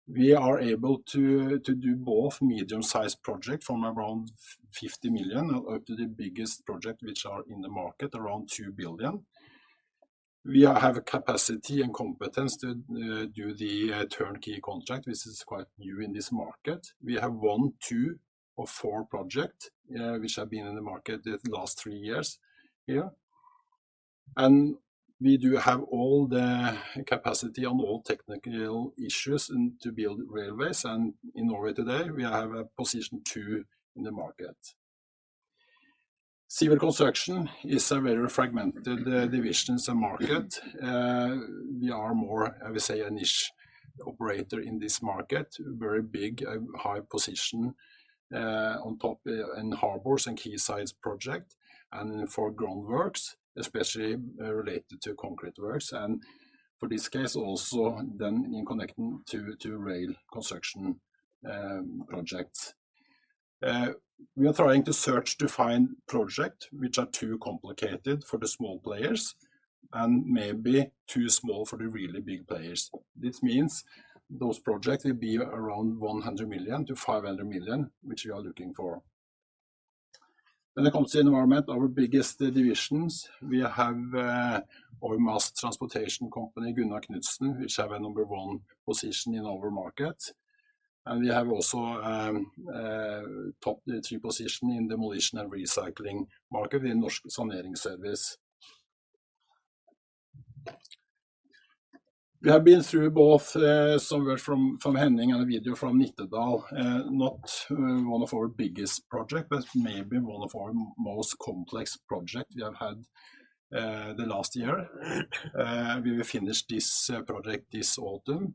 We are able to do both medium-sized project from around 50 million up to the biggest project which are in the market, around 2 billion. We have a capacity and competence to do the turnkey contract, which is quite new in this market. We have won two of four projects which have been in the market the last three years here. We do have all the capacity on all technical issues and to build railways and in Norway today, we have a position too in the market. Civil construction is a very fragmented divisions and market. We are more, I would say, a niche operator in this market. Very big high position on top in harbors and quaysides projects and for groundworks, especially related to concrete works and for this case also then in connecting to rail construction projects. We are trying to search to find projects which are too complicated for the small players and maybe too small for the really big players. This means those projects will be around 100 million-500 million, which we are looking for. When it comes to environment, our biggest divisions, we have our mass transportation company, Gunnar Knudsen, which have a number one position in our market. We have also top three position in demolition and recycling market in Norsk Saneringsservice. We have been through both some work from Henning and a video from Nittedal. Not one of our biggest project, but maybe one of our most complex project we have had the last year. We will finish this project this autumn.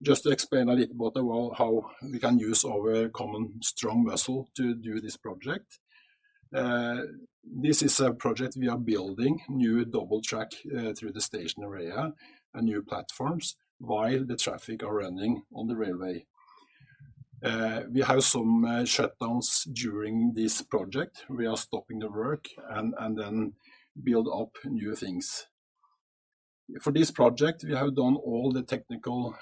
Just to explain a little about well, how we can use our common strong vessel to do this project. This is a project we are building new double track through the station area and new platforms while the traffic are running on the railway. We have some shutdowns during this project. We are stopping the work and then build up new things. For this project, we have done all the technical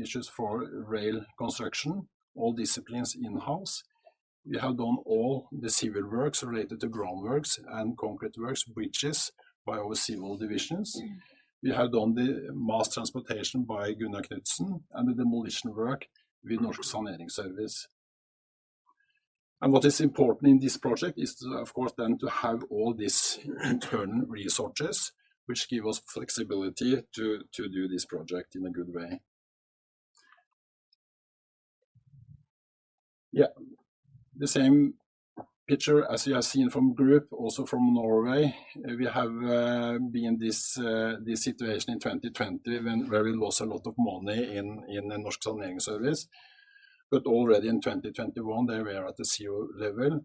issues for rail construction, all disciplines in-house. We have done all the civil works related to groundworks and concrete works, bridges by our civil divisions. We have done the mass transportation by Gunnar Knudsen and the demolition work with Norsk Saneringsservice. What is important in this project is, of course, then to have all these internal resources which give us flexibility to do this project in a good way. Yeah. The same picture as you have seen from group, also from Norway. We have been this situation in 2020 when we lost a lot of money in Norsk Saneringsservice. Already in 2021, they were at a zero level,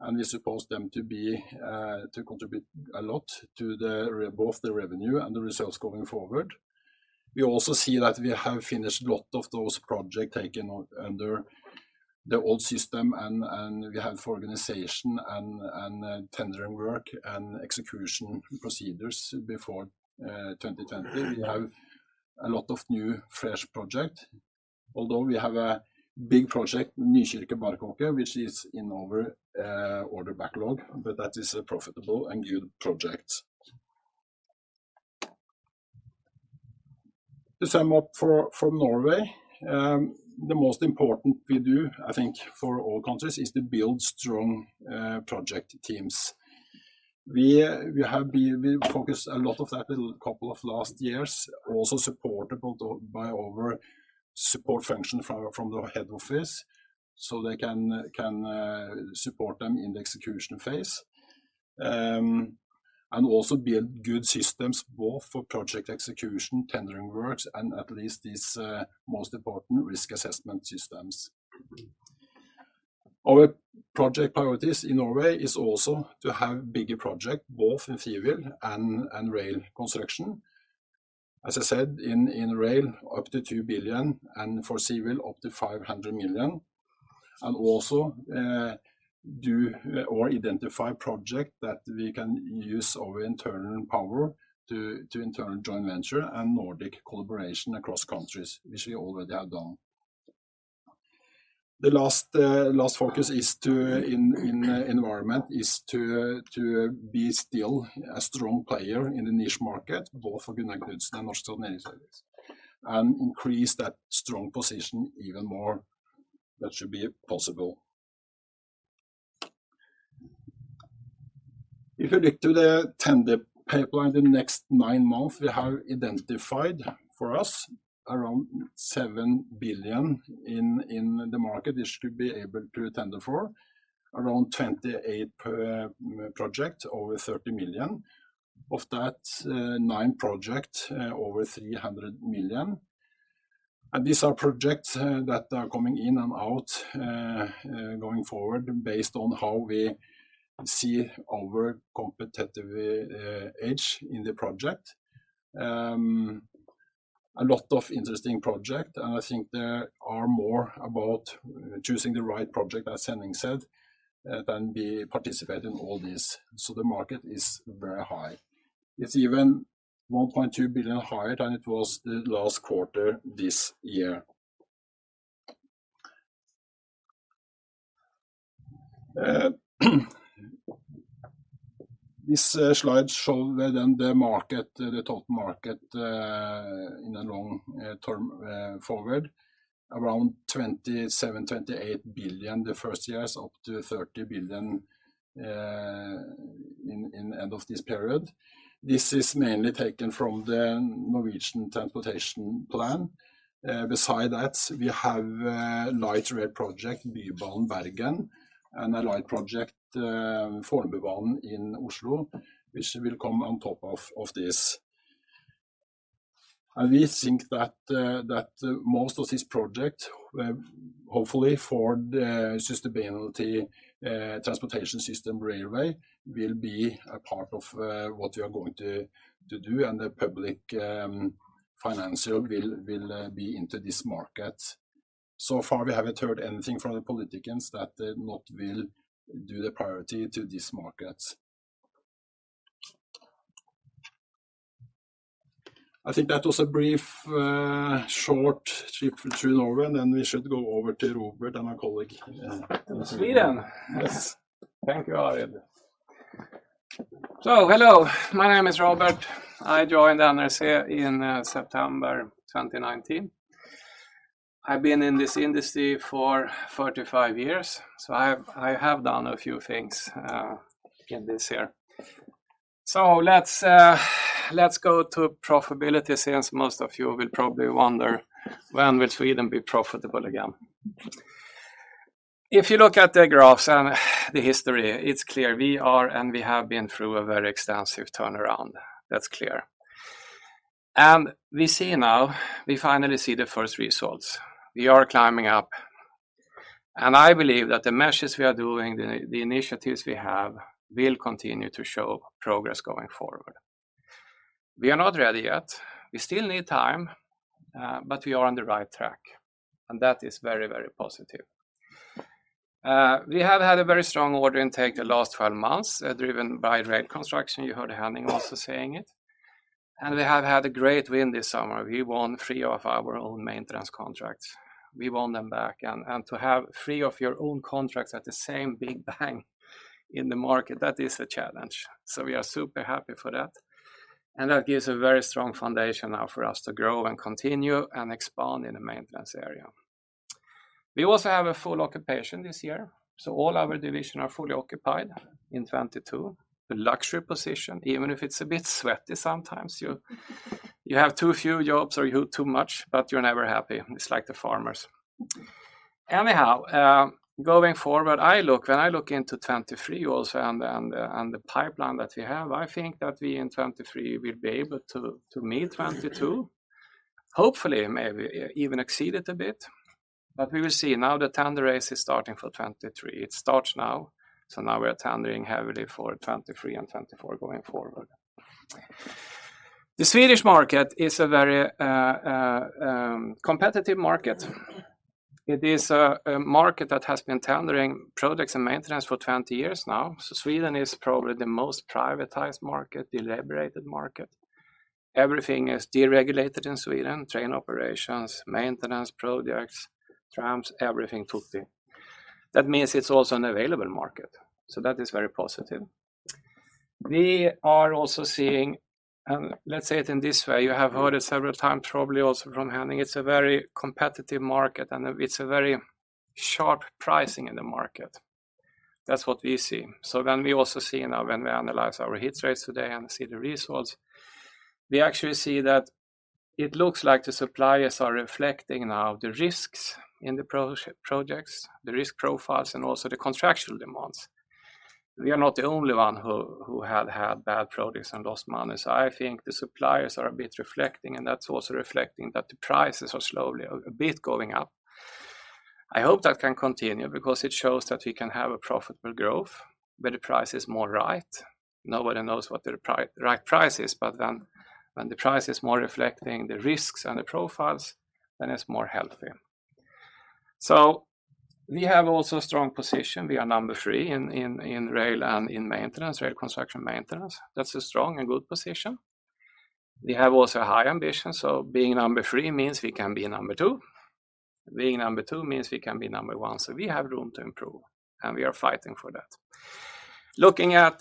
and we suppose them to be to contribute a lot to both the revenue and the results going forward. We also see that we have finished a lot of those project taken under the old system and we have organization and tendering work and execution procedures before 2020. We have a lot of new fresh project. Although we have a big project, Nykirke-Barkåker, which is in our order backlog, but that is a profitable and good project. The sum up for Norway, the most important we do, I think, for all countries is to build strong project teams. We've focused a lot in the last couple of years, also supported by our support function from the head office, so they can support them in the execution phase. We also build good systems both for project execution, tendering works and at least these most important risk assessment systems. Our project priorities in Norway is also to have bigger project, both in civil and in rail construction. As I said, in rail, up to 2 billion, and for civil, up to 500 million. Also, identify project that we can use our internal power to internal joint venture and Nordic collaboration across countries, which we already have done. The last focus is, in the environment, to be still a strong player in the niche market, both for Gunnar Knudsen and Norske Tog Maintenance Service, and increase that strong position even more. That should be possible. If you look to the tender pipeline, the next 9 months, we have identified for us around 7 billion in the market we should be able to tender for. Around 28 projects over 30 million. Of that, nine projects over 300 million. These are projects that are coming in and out, going forward based on how we see our competitive edge in the project. A lot of interesting project, and I think there are more about choosing the right project, as Henning said, than we participate in all this. The market is very high. It's even 1.2 billion higher than it was the last quarter this year. These slides show then the market, the total market, in the long term, forward. Around 27-28 billion the first years, up to 30 billion, in the end of this period. This is mainly taken from the Norwegian National Transport Plan. Besides that, we have a light rail project, Bybanen Bergen, and a light rail project, Fornebubanen in Oslo, which will come on top of this. We think that most of this project, hopefully for the sustainable transportation system railway, will be a part of what we are going to do, and the public financing will be into this market. So far, we haven't heard anything from the politicians that not will do the priority to this market. I think that was a brief, short trip to Norway, and then we should go over to Robert and my colleague. In Sweden. Yes. Thank you, Arild. Hello, my name is Robert. I joined NRC in September 2019. I've been in this industry for 45 years, so I have done a few things in this area. Let's go to profitability, since most of you will probably wonder when will Sweden be profitable again. If you look at the graphs and the history, it's clear we are and we have been through a very extensive turnaround. That's clear. We see now, we finally see the first results. We are climbing up, and I believe that the measures we are doing, the initiatives we have will continue to show progress going forward. We are not ready yet. We still need time, but we are on the right track, and that is very, very positive. We have had a very strong order intake the last 12 months, driven by rail construction. You heard Henning also saying it, and we have had a great win this summer. We won three of our own maintenance contracts. We won them back, and to have three of your own contracts at the same big bang in the market, that is a challenge. We are super happy for that, and that gives a very strong foundation now for us to grow and continue and expand in the maintenance area. We also have a full occupation this year, so all our division are fully occupied in 2022. The luxury position, even if it's a bit sweaty sometimes, you have too few jobs or you too much, but you're never happy. It's like the farmers. Anyhow, going forward, when I look into 2023 also and the pipeline that we have, I think that we in 2023 will be able to meet 2022. Hopefully, maybe even exceed it a bit, but we will see. Now the tender race is starting for 2023. It starts now, so now we are tendering heavily for 2023 and 2024 going forward. The Swedish market is a very competitive market. It is a market that has been tendering projects and maintenance for 20 years now. Sweden is probably the most privatized market, liberalized market. Everything is deregulated in Sweden, train operations, maintenance, projects, trams, everything total. That means it's also an available market, so that is very positive. We are also seeing, and let's say it in this way, you have heard it several times, probably also from Henning, it's a very competitive market, and it's a very sharp pricing in the market. That's what we see. We also see now when we analyze our hit rates today and see the results, we actually see that it looks like the suppliers are reflecting now the risks in the projects, the risk profiles, and also the contractual demands. We are not the only one who had bad projects and lost money, so I think the suppliers are a bit reflecting, and that's also reflecting that the prices are slowly a bit going up. I hope that can continue because it shows that we can have a profitable growth, but the price is more right. Nobody knows what the right price is, but then when the price is more reflecting the risks and the profiles, then it's more healthy. We have also a strong position. We are number three in rail and in maintenance, rail construction maintenance. That's a strong and good position. We have also high ambition, being number three means we can be number two. Being number two means we can be number one. We have room to improve, and we are fighting for that. Looking at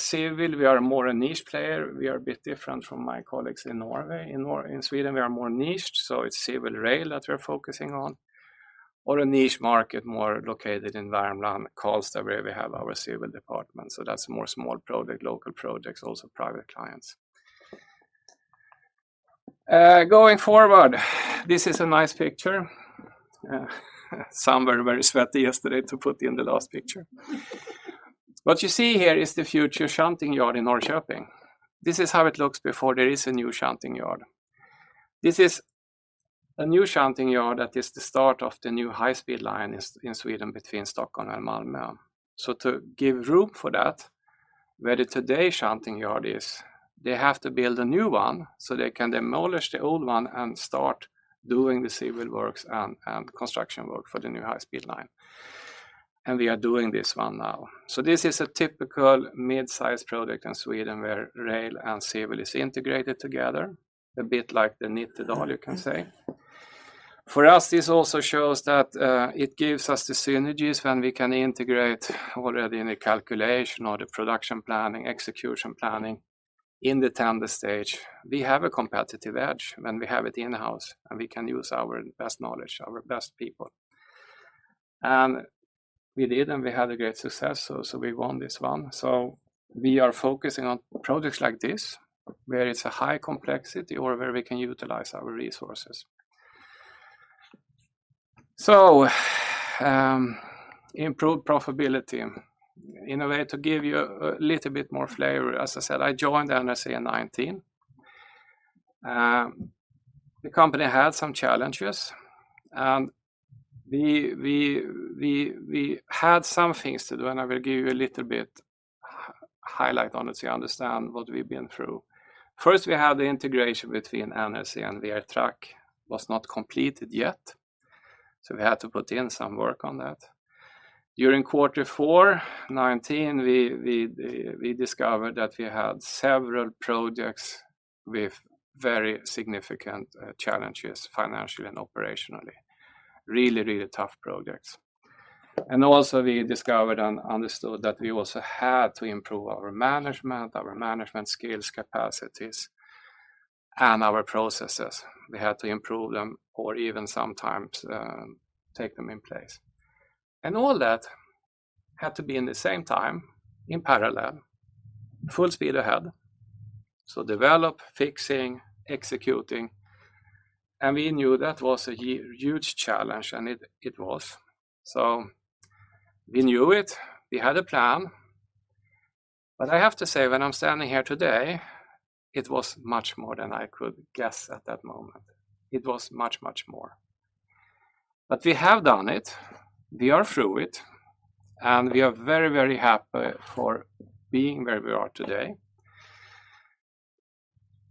civil, we are more a niche player. We are a bit different from my colleagues in Norway. In Sweden, we are more niched, so it's civil rail that we're focusing on or a niche market more located in Värmland, Karlstad, where we have our civil department. That's more small project, local projects, also private clients. Going forward, this is a nice picture. Some were very sweaty yesterday to put in the last picture. What you see here is the future shunting yard in Norrköping. This is how it looks before there is a new shunting yard. This is a new shunting yard that is the start of the new high-speed line in Sweden between Stockholm and Malmö. To give room for that, where the today shunting yard is, they have to build a new one, so they can demolish the old one and start doing the civil works and construction work for the new high-speed line. We are doing this one now. This is a typical mid-sized project in Sweden where rail and civil is integrated together, a bit like the Nittedal, you can say. For us, this also shows that it gives us the synergies when we can integrate already in the calculation or the production planning, execution planning in the tender stage. We have a competitive edge when we have it in-house, and we can use our best knowledge, our best people. We did, and we had a great success, so we won this one. We are focusing on projects like this, where it's a high complexity or where we can utilize our resources. Improved profitability. In a way to give you a little bit more flavor, as I said, I joined NRC in 2019. The company had some challenges, and we had some things to do, and I will give you a little bit highlight on it, so you understand what we've been through. First, we had the integration between NRC and VR Track was not completed yet, so we had to put in some work on that. During quarter four 2019, we discovered that we had several projects with very significant challenges financially and operationally. Really tough projects. We discovered and understood that we also had to improve our management skills, capacities, and our processes. We had to improve them or even sometimes take them in place. All that had to be in the same time in parallel, full speed ahead. Develop, fixing, executing, and we knew that was a huge challenge, and it was. We knew it. We had a plan. I have to say, when I'm standing here today, it was much more than I could guess at that moment. It was much more. We have done it. We are through it, and we are very, very happy for being where we are today.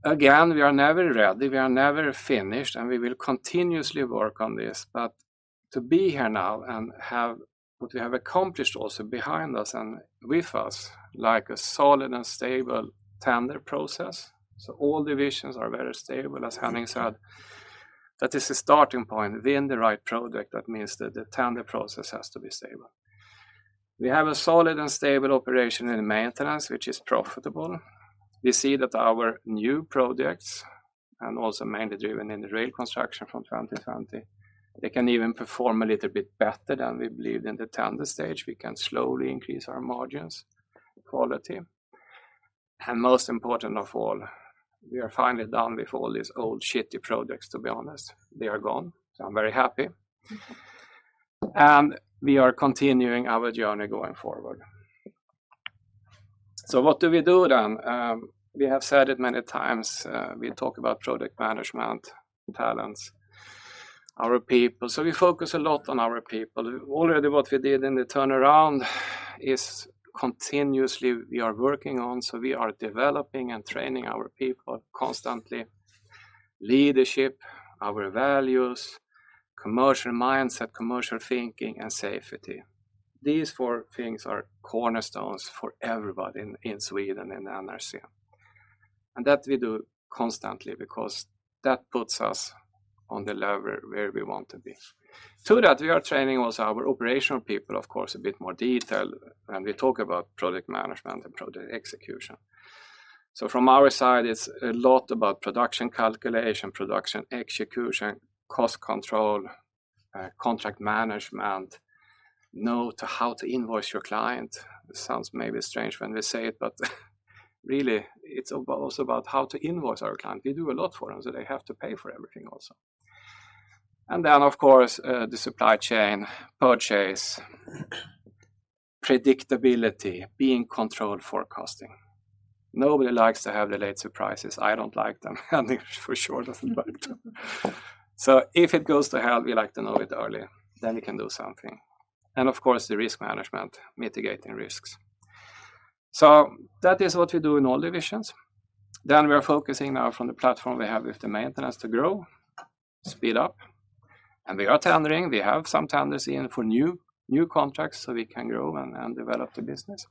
Again, we are never ready, we are never finished, and we will continuously work on this. To be here now and have what we have accomplished also behind us and with us, like a solid and stable tender process. All divisions are very stable, as Henning said. That is the starting point. Win the right project, that means that the tender process has to be stable. We have a solid and stable operation in maintenance, which is profitable. We see that our new projects, and also mainly driven in the rail construction from 2020, they can even perform a little bit better than we believed in the tender stage. We can slowly increase our margins, quality. Most important of all, we are finally done with all these old projects, to be honest. They are gone, so I'm very happy. We are continuing our journey going forward. What do we do then? We have said it many times. We talk about project management, talents, our people. We focus a lot on our people. Already what we did in the turnaround is continuously we are working on, so we are developing and training our people constantly. Leadership, our values, commercial mindset, commercial thinking, and safety. These four things are cornerstones for everybody in Sweden, in NRC. That we do constantly because that puts us on the level where we want to be. To that, we are training also our operational people, of course, a bit more detail, and we talk about project management and project execution. From our side, it's a lot about production calculation, production execution, cost control, contract management, know-how to invoice your client. This sounds maybe strange when we say it, but really, it's also about how to invoice our client. We do a lot for them, so they have to pay for everything also. Then, of course, the supply chain, purchase, predictability, being in control, forecasting. Nobody likes to have late surprises. I don't like them. Henning for sure doesn't like them. If it goes to hell, we like to know it early, then we can do something. Of course, the risk management, mitigating risks. That is what we do in all divisions. We are focusing now from the platform we have with the maintenance to grow, speed up. We are tendering. We have some tenders in for new contracts, so we can grow and develop the business.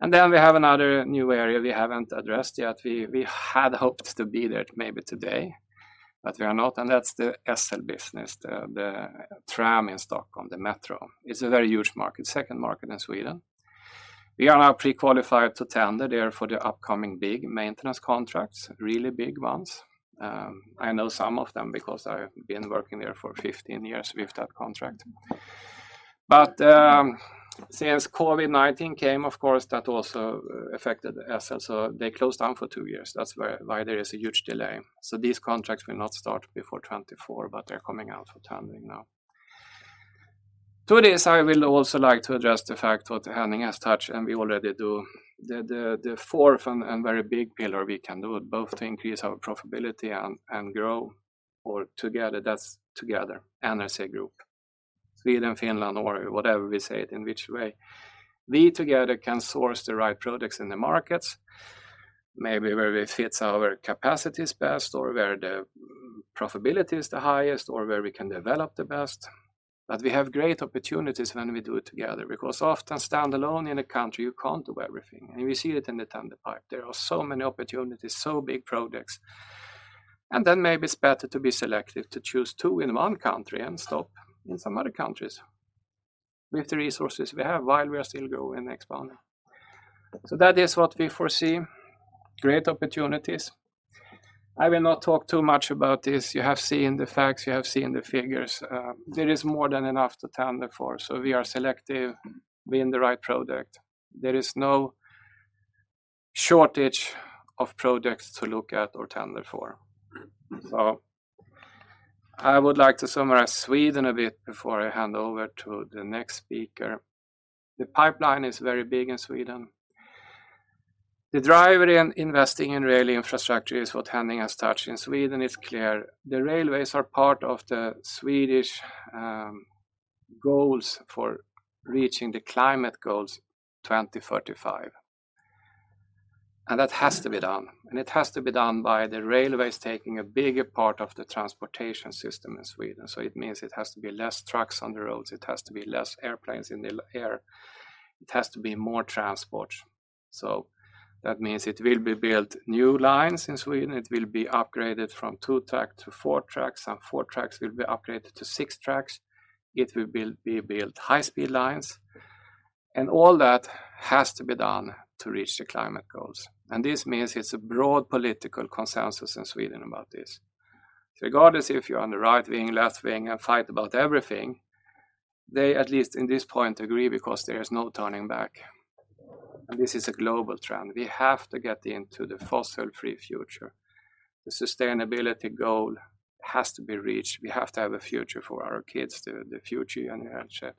Then we have another new area we haven't addressed yet. We had hoped to be there maybe today, but we are not, and that's the SL business, the tram in Stockholm, the metro. It's a very huge market, second market in Sweden. We are now pre-qualified to tender there for the upcoming big maintenance contracts, really big ones. I know some of them because I've been working there for 15 years with that contract. But since COVID-19 came, of course, that also affected SL, so they closed down for two years. That's why there is a huge delay. These contracts will not start before 2024, but they're coming out for tendering now. I will also like to address the fact that Henning has touched, and we already do. The fourth and very big pillar we can do both to increase our profitability and grow together, that's together, NRC Group, Sweden, Finland, or whatever we say it, in which way. We together can source the right products in the markets, maybe where we fits our capacities best or where the profitability is the highest or where we can develop the best. We have great opportunities when we do it together because often standalone in a country you can't do everything, and we see it in the tender pipeline. There are so many opportunities, so big projects, and then maybe it's better to be selective to choose two in one country and stop in some other countries with the resources we have while we are still growing and expanding. That is what we foresee, great opportunities. I will not talk too much about this. You have seen the facts. You have seen the figures. There is more than enough to tender for, so we are selective being the right product. There is no shortage of projects to look at or tender for. I would like to summarize Sweden a bit before I hand over to the next speaker. The pipeline is very big in Sweden. The driver in investing in rail infrastructure is what Henning has touched. In Sweden it's clear the railways are part of the Swedish goals for reaching the climate goals 2045, and that has to be done, and it has to be done by the railways taking a bigger part of the transportation system in Sweden. It means it has to be less trucks on the roads. It has to be less airplanes in the air. It has to be more transport. That means it will be built new lines in Sweden. It will be upgraded from two track to four tracks, and four tracks will be upgraded to six tracks. It will be built high-speed lines, and all that has to be done to reach the climate goals, and this means it's a broad political consensus in Sweden about this. Regardless if you're on the right wing, left wing, and fight about everything, they at least in this point agree because there is no turning back, and this is a global trend. We have to get into the fossil-free future. The sustainability goal has to be reached. We have to have a future for our kids, the future generation.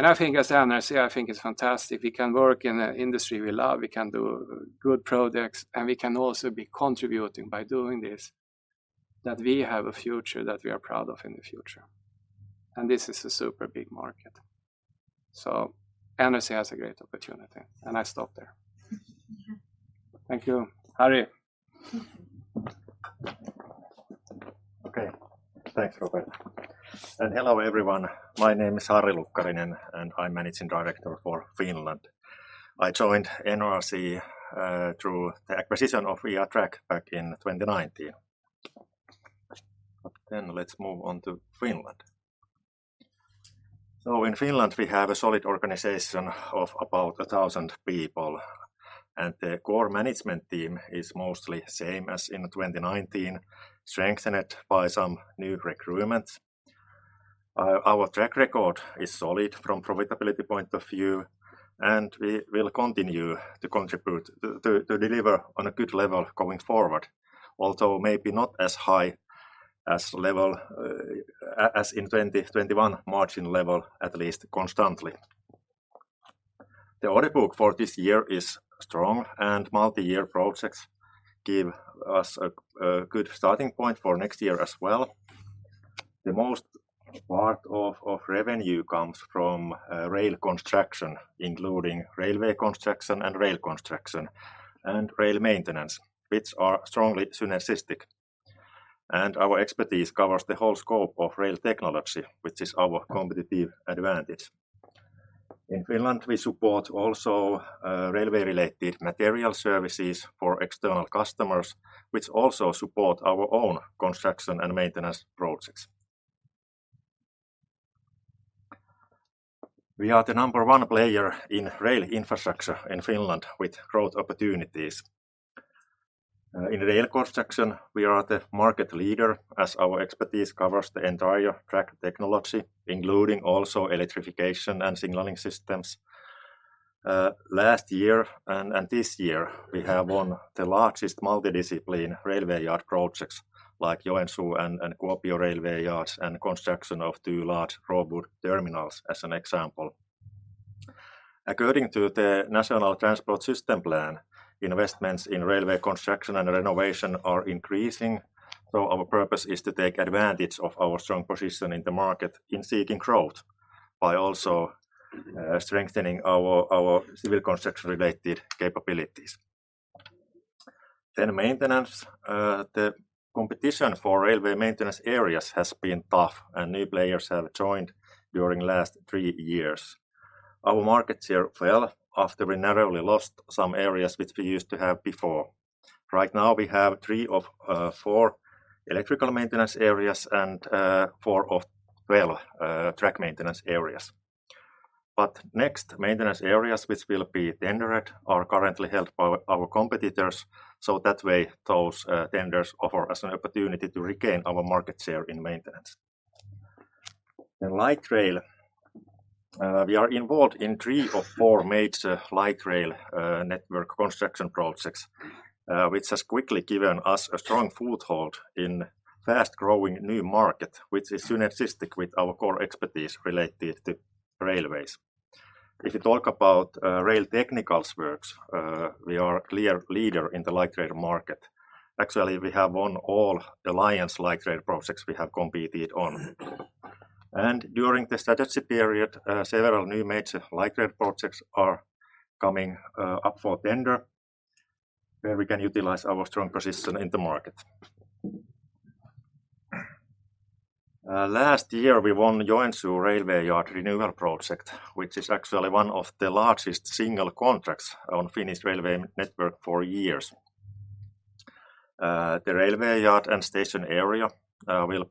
I think as NRC, I think it's fantastic. We can work in a industry we love. We can do good projects, and we can also be contributing by doing this, that we have a future that we are proud of in the future, and this is a super big market. NRC has a great opportunity, and I stop there. Thank you. Harri. Okay. Thanks, Robert, and hello, everyone. My name is Harri Lukkarinen, and I'm managing director for Finland. I joined NRC through the acquisition of VR Track back in 2019. Let's move on to Finland. In Finland, we have a solid organization of about 1,000 people, and the core management team is mostly same as in 2019, strengthened by some new recruitments. Our track record is solid from profitability point of view, and we will continue to contribute to deliver on a good level going forward, although maybe not as high a level as in 2021 margin level at least constantly. The order book for this year is strong, and multi-year projects give us a good starting point for next year as well. The most part of revenue comes from rail construction, including railway construction and rail construction and rail maintenance, which are strongly synergistic, and our expertise covers the whole scope of rail technology, which is our competitive advantage. In Finland, we support also railway-related material services for external customers, which also support our own construction and maintenance projects. We are the number one player in rail infrastructure in Finland with growth opportunities. In rail construction, we are the market leader as our expertise covers the entire track technology, including also electrification and signaling systems. Last year and this year, we have won the largest multi-discipline railway yard projects like Joensuu and Kuopio railway yards and construction of two large raw wood terminals as an example. According to the National Transport System Plan, investments in railway construction and renovation are increasing, so our purpose is to take advantage of our strong position in the market in seeking growth by also strengthening our civil construction-related capabilities. Maintenance. The competition for railway maintenance areas has been tough, and new players have joined during the last three years. Our market share fell after we narrowly lost some areas which we used to have before. Right now, we have three of four electrical maintenance areas and four of 12 track maintenance areas. Next maintenance areas which will be tendered are currently held by our competitors, so that way those tenders offer us an opportunity to regain our market share in maintenance. Light rail. We are involved in three of four major light rail network construction projects, which has quickly given us a strong foothold in fast-growing new market, which is synergistic with our core expertise related to railways. If you talk about rail technical works, we are clear leader in the light rail market. Actually, we have won all alliance light rail projects we have competed on. During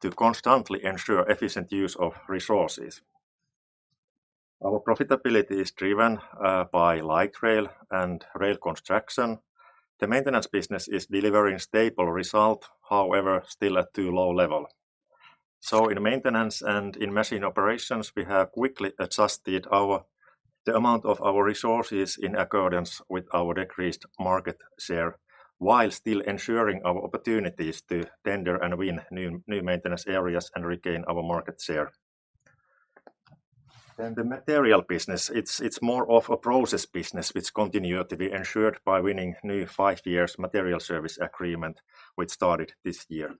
to constantly ensure efficient use of resources. Our profitability is driven by light rail and rail construction. The maintenance business is delivering stable result, however, still at too low level. In maintenance and in machine operations, we have quickly adjusted the amount of our resources in accordance with our decreased market share while still ensuring our opportunities to tender and win new maintenance areas and regain our market share. The material business, it's more of a process business which continuity ensured by winning new five years material service agreement which started this year.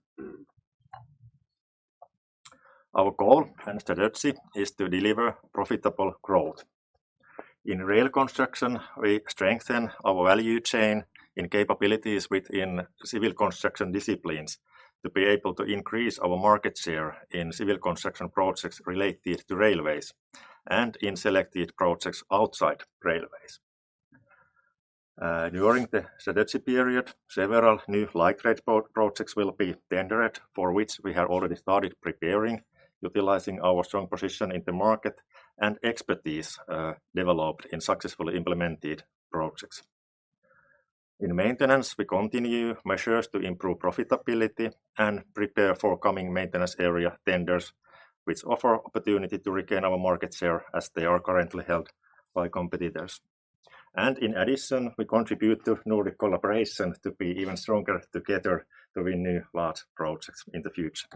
Our goal and strategy is to deliver profitable growth. In rail construction, we strengthen our value chain in capabilities within civil construction disciplines to be able to increase our market share in civil construction projects related to railways and in selected projects outside railways. During the strategy period, several new light rail projects will be tendered, for which we have already started preparing, utilizing our strong position in the market and expertise developed and successfully implemented projects. In maintenance, we continue measures to improve profitability and prepare for coming maintenance area tenders, which offer opportunity to regain our market share as they are currently held by competitors. In addition, we contribute to Nordic collaboration to be even stronger together to win new large projects in the future.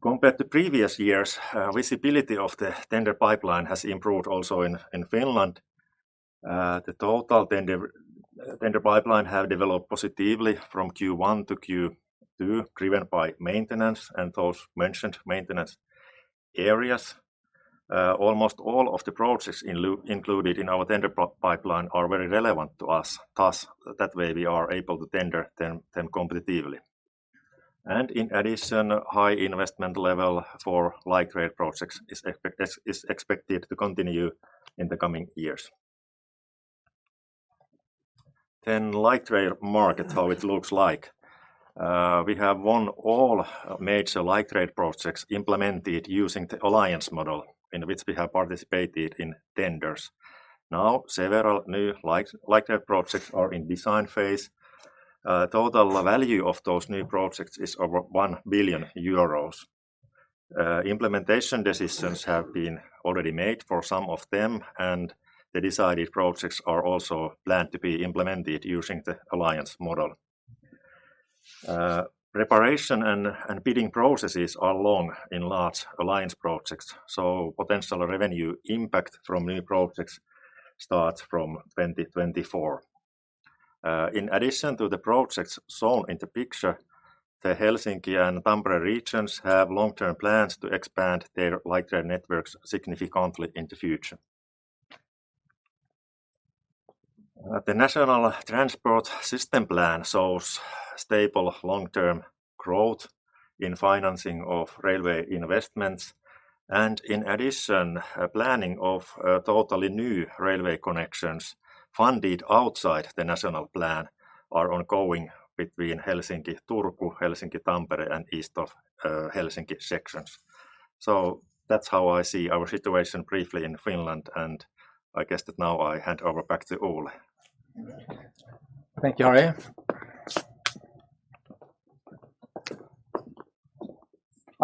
Compared to previous years, visibility of the tender pipeline has improved also in Finland. The total tender pipeline have developed positively from Q1-Q2, driven by maintenance and those mentioned maintenance areas. Almost all of the projects included in our tender pipeline are very relevant to us, thus that way we are able to tender them competitively. In addition, high investment level for light rail projects is expected to continue in the coming years. Light rail market, how it looks like. We have won all major light rail projects implemented using the alliance model in which we have participated in tenders. Now, several new light rail projects are in design phase. Total value of those new projects is over 1 billion euros. Implementation decisions have been already made for some of them, and the decided projects are also planned to be implemented using the alliance model. Preparation and bidding processes are long in large alliance projects, so potential revenue impact from new projects starts from 2024. In addition to the projects shown in the picture, the Helsinki and Tampere regions have long-term plans to expand their light rail networks significantly in the future. The National Transport System Plan shows stable long-term growth in financing of railway investments. In addition, planning of totally new railway connections funded outside the national plan are ongoing between Helsinki-Turku, Helsinki-Tampere, and east of Helsinki sections. That's how I see our situation briefly in Finland, and I guess that now I hand over back to Ole. Thank you, Harri.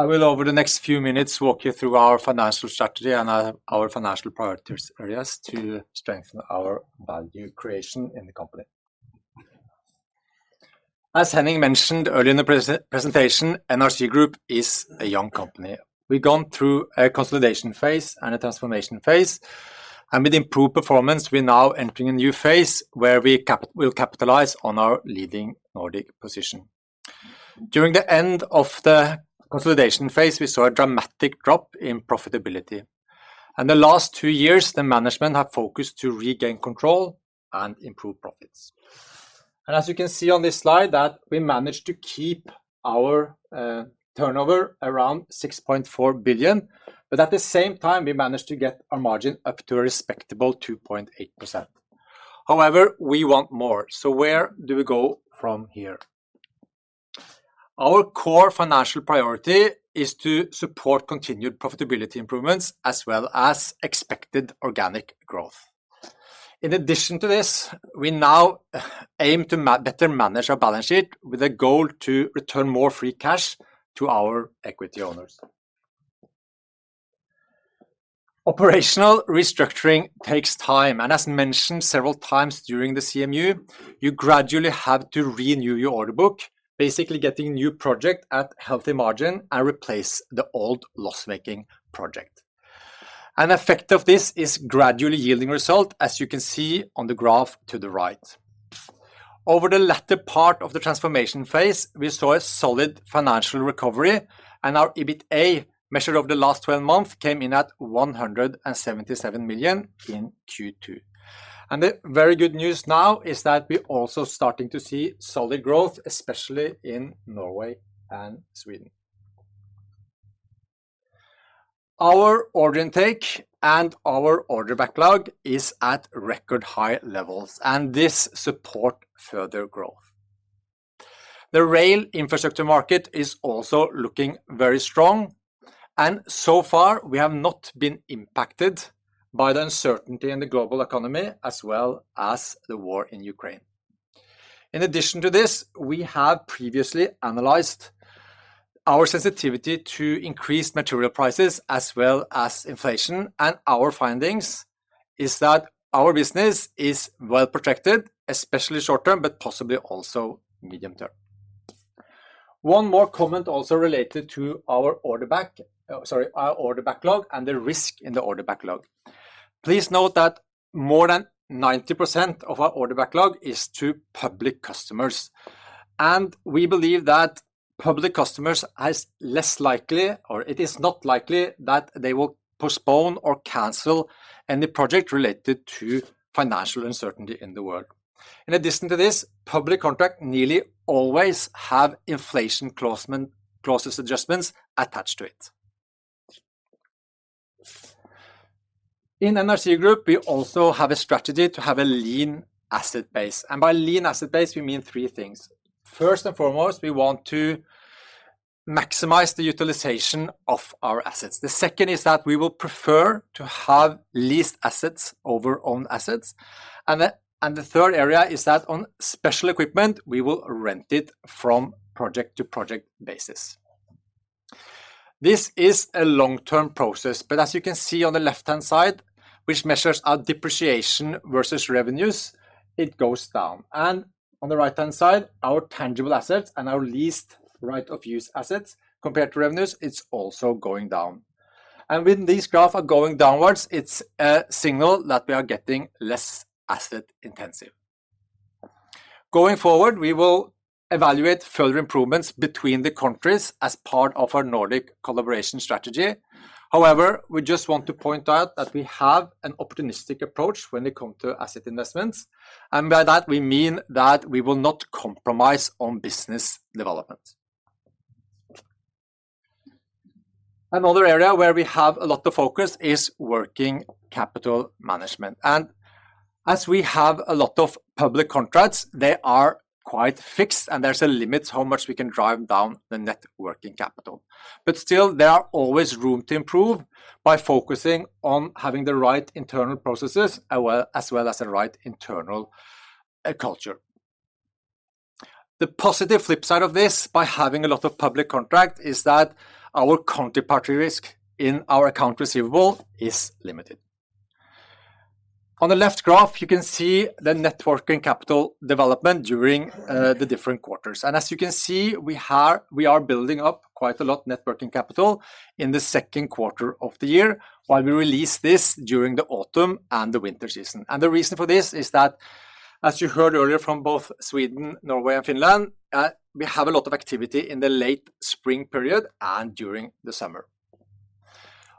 I will over the next few minutes walk you through our financial strategy and our financial priorities, areas to strengthen our value creation in the company. As Henning mentioned earlier in the presentation, NRC Group is a young company. We've gone through a consolidation phase and a transformation phase, and with improved performance, we're now entering a new phase where we'll capitalize on our leading Nordic position. During the end of the consolidation phase, we saw a dramatic drop in profitability. The last two years, the management have focused to regain control and improve profits. As you can see on this slide that we managed to keep our turnover around 6.4 billion, but at the same time, we managed to get our margin up to a respectable 2.8%. However, we want more. Where do we go from here? Our core financial priority is to support continued profitability improvements, as well as expected organic growth. In addition to this, we now aim to better manage our balance sheet with a goal to return more free cash to our equity owners. Operational restructuring takes time, and as mentioned several times during the CMU, you gradually have to renew your order book, basically getting new project at healthy margin and replace the old loss-making project. An effect of this is gradually yielding result, as you can see on the graph to the right. Over the latter part of the transformation phase, we saw a solid financial recovery, and our EBITA measure over the last 12 months came in at 177 million in Q2. The very good news now is that we're also starting to see solid growth, especially in Norway and Sweden. Our order intake and our order backlog is at record high levels, and this support further growth. The rail infrastructure market is also looking very strong, and so far, we have not been impacted by the uncertainty in the global economy as well as the war in Ukraine. In addition to this, we have previously analyzed our sensitivity to increased material prices as well as inflation, and our findings is that our business is well protected, especially short term, but possibly also medium term. One more comment also related to our order backlog and the risk in the order backlog. Please note that more than 90% of our order backlog is to public customers, and we believe that public customers is less likely or it is not likely that they will postpone or cancel any project related to financial uncertainty in the world. In addition to this, public contract nearly always have inflation price adjustment clause attached to it. In NRC Group, we also have a strategy to have a lean asset base. By lean asset base, we mean three things. First and foremost, we want to maximize the utilization of our assets. The second is that we will prefer to have leased assets over owned assets. The third area is that on special equipment, we will rent it from project-to-project basis. This is a long-term process, but as you can see on the left-hand side, which measures our depreciation versus revenues, it goes down. On the right-hand side, our tangible assets and our leased right-of-use assets compared to revenues, it's also going down. When these graphs are going downwards, it's a signal that we are getting less asset intensive. Going forward, we will evaluate further improvements between the countries as part of our Nordic collaboration strategy. However, we just want to point out that we have an optimistic approach when it comes to asset investments, and by that we mean that we will not compromise on business development. Another area where we have a lot of focus is working capital management. As we have a lot of public contracts, they are quite fixed, and there's a limit to how much we can drive down the net working capital. Still, there are always room to improve by focusing on having the right internal processes, well, as well as the right internal culture. The positive flip side of this, by having a lot of public contracts, is that our counterparty risk in our accounts receivable is limited. On the left graph, you can see the net working capital development during the different quarters. As you can see, we are building up quite a lot net working capital in the second quarter of the year, while we release this during the autumn and the winter season. The reason for this is that, as you heard earlier from both Sweden, Norway, and Finland, we have a lot of activity in the late spring period and during the summer.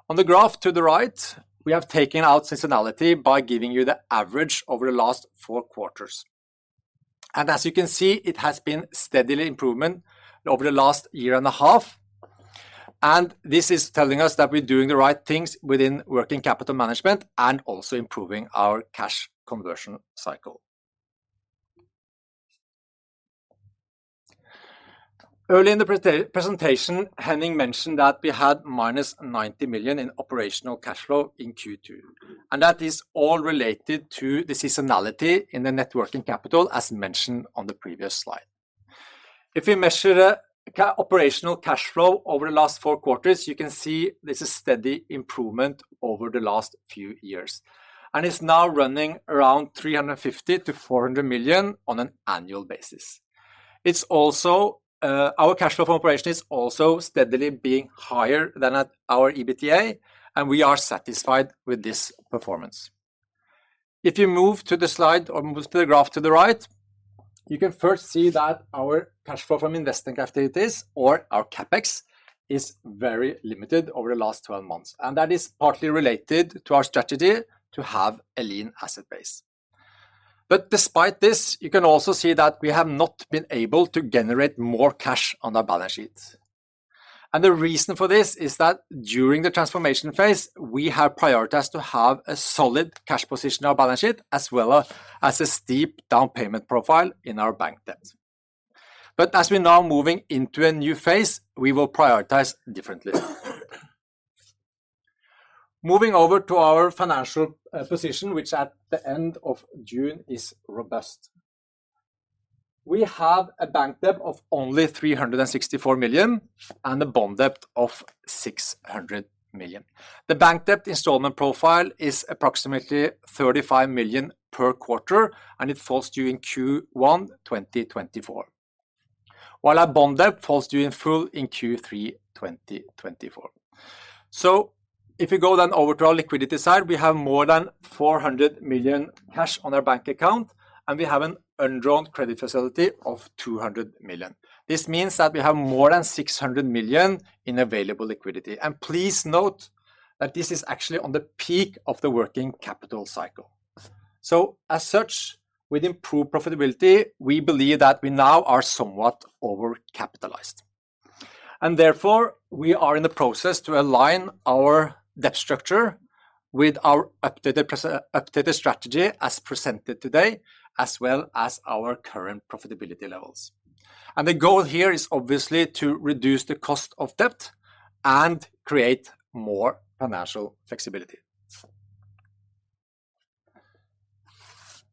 On the graph to the right, we have taken out seasonality by giving you the average over the last four quarters. As you can see, it has been steady improvement over the last year and a half. This is telling us that we're doing the right things within working capital management and also improving our cash conversion cycle. Early in the earlier presentation, Henning mentioned that we had -90 million in operational cash flow in Q2, and that is all related to the seasonality in the net working capital as mentioned on the previous slide. If we measure operational cash flow over the last four quarters, you can see this is steady improvement over the last few years, and it's now running around 350-400 million on an annual basis. It's also our cash flow from operation is also steadily being higher than at our EBITDA, and we are satisfied with this performance. If you move to the slide or move to the graph to the right, you can first see that our cash flow from investing activities or our CapEx is very limited over the last 12 months, and that is partly related to our strategy to have a lean asset base. Despite this, you can also see that we have not been able to generate more cash on our balance sheet. The reason for this is that during the transformation phase, we have prioritized to have a solid cash position on our balance sheet, as well as a steep down payment profile in our bank debt. As we're now moving into a new phase, we will prioritize differently. Moving over to our financial position, which at the end of June is robust. We have a bank debt of only 364 million and a bond debt of 600 million. The bank debt installment profile is approximately 35 million per quarter, and it falls due in Q1 2024. While our bond debt falls due in full in Q3 2024. If you go then over to our liquidity side, we have more than 400 million cash on our bank account, and we have an undrawn credit facility of 200 million. This means that we have more than 600 million in available liquidity. Please note that this is actually on the peak of the working capital cycle. As such, with improved profitability, we believe that we now are somewhat overcapitalized. Therefore, we are in the process to align our debt structure with our updated strategy as presented today, as well as our current profitability levels. The goal here is obviously to reduce the cost of debt and create more financial flexibility.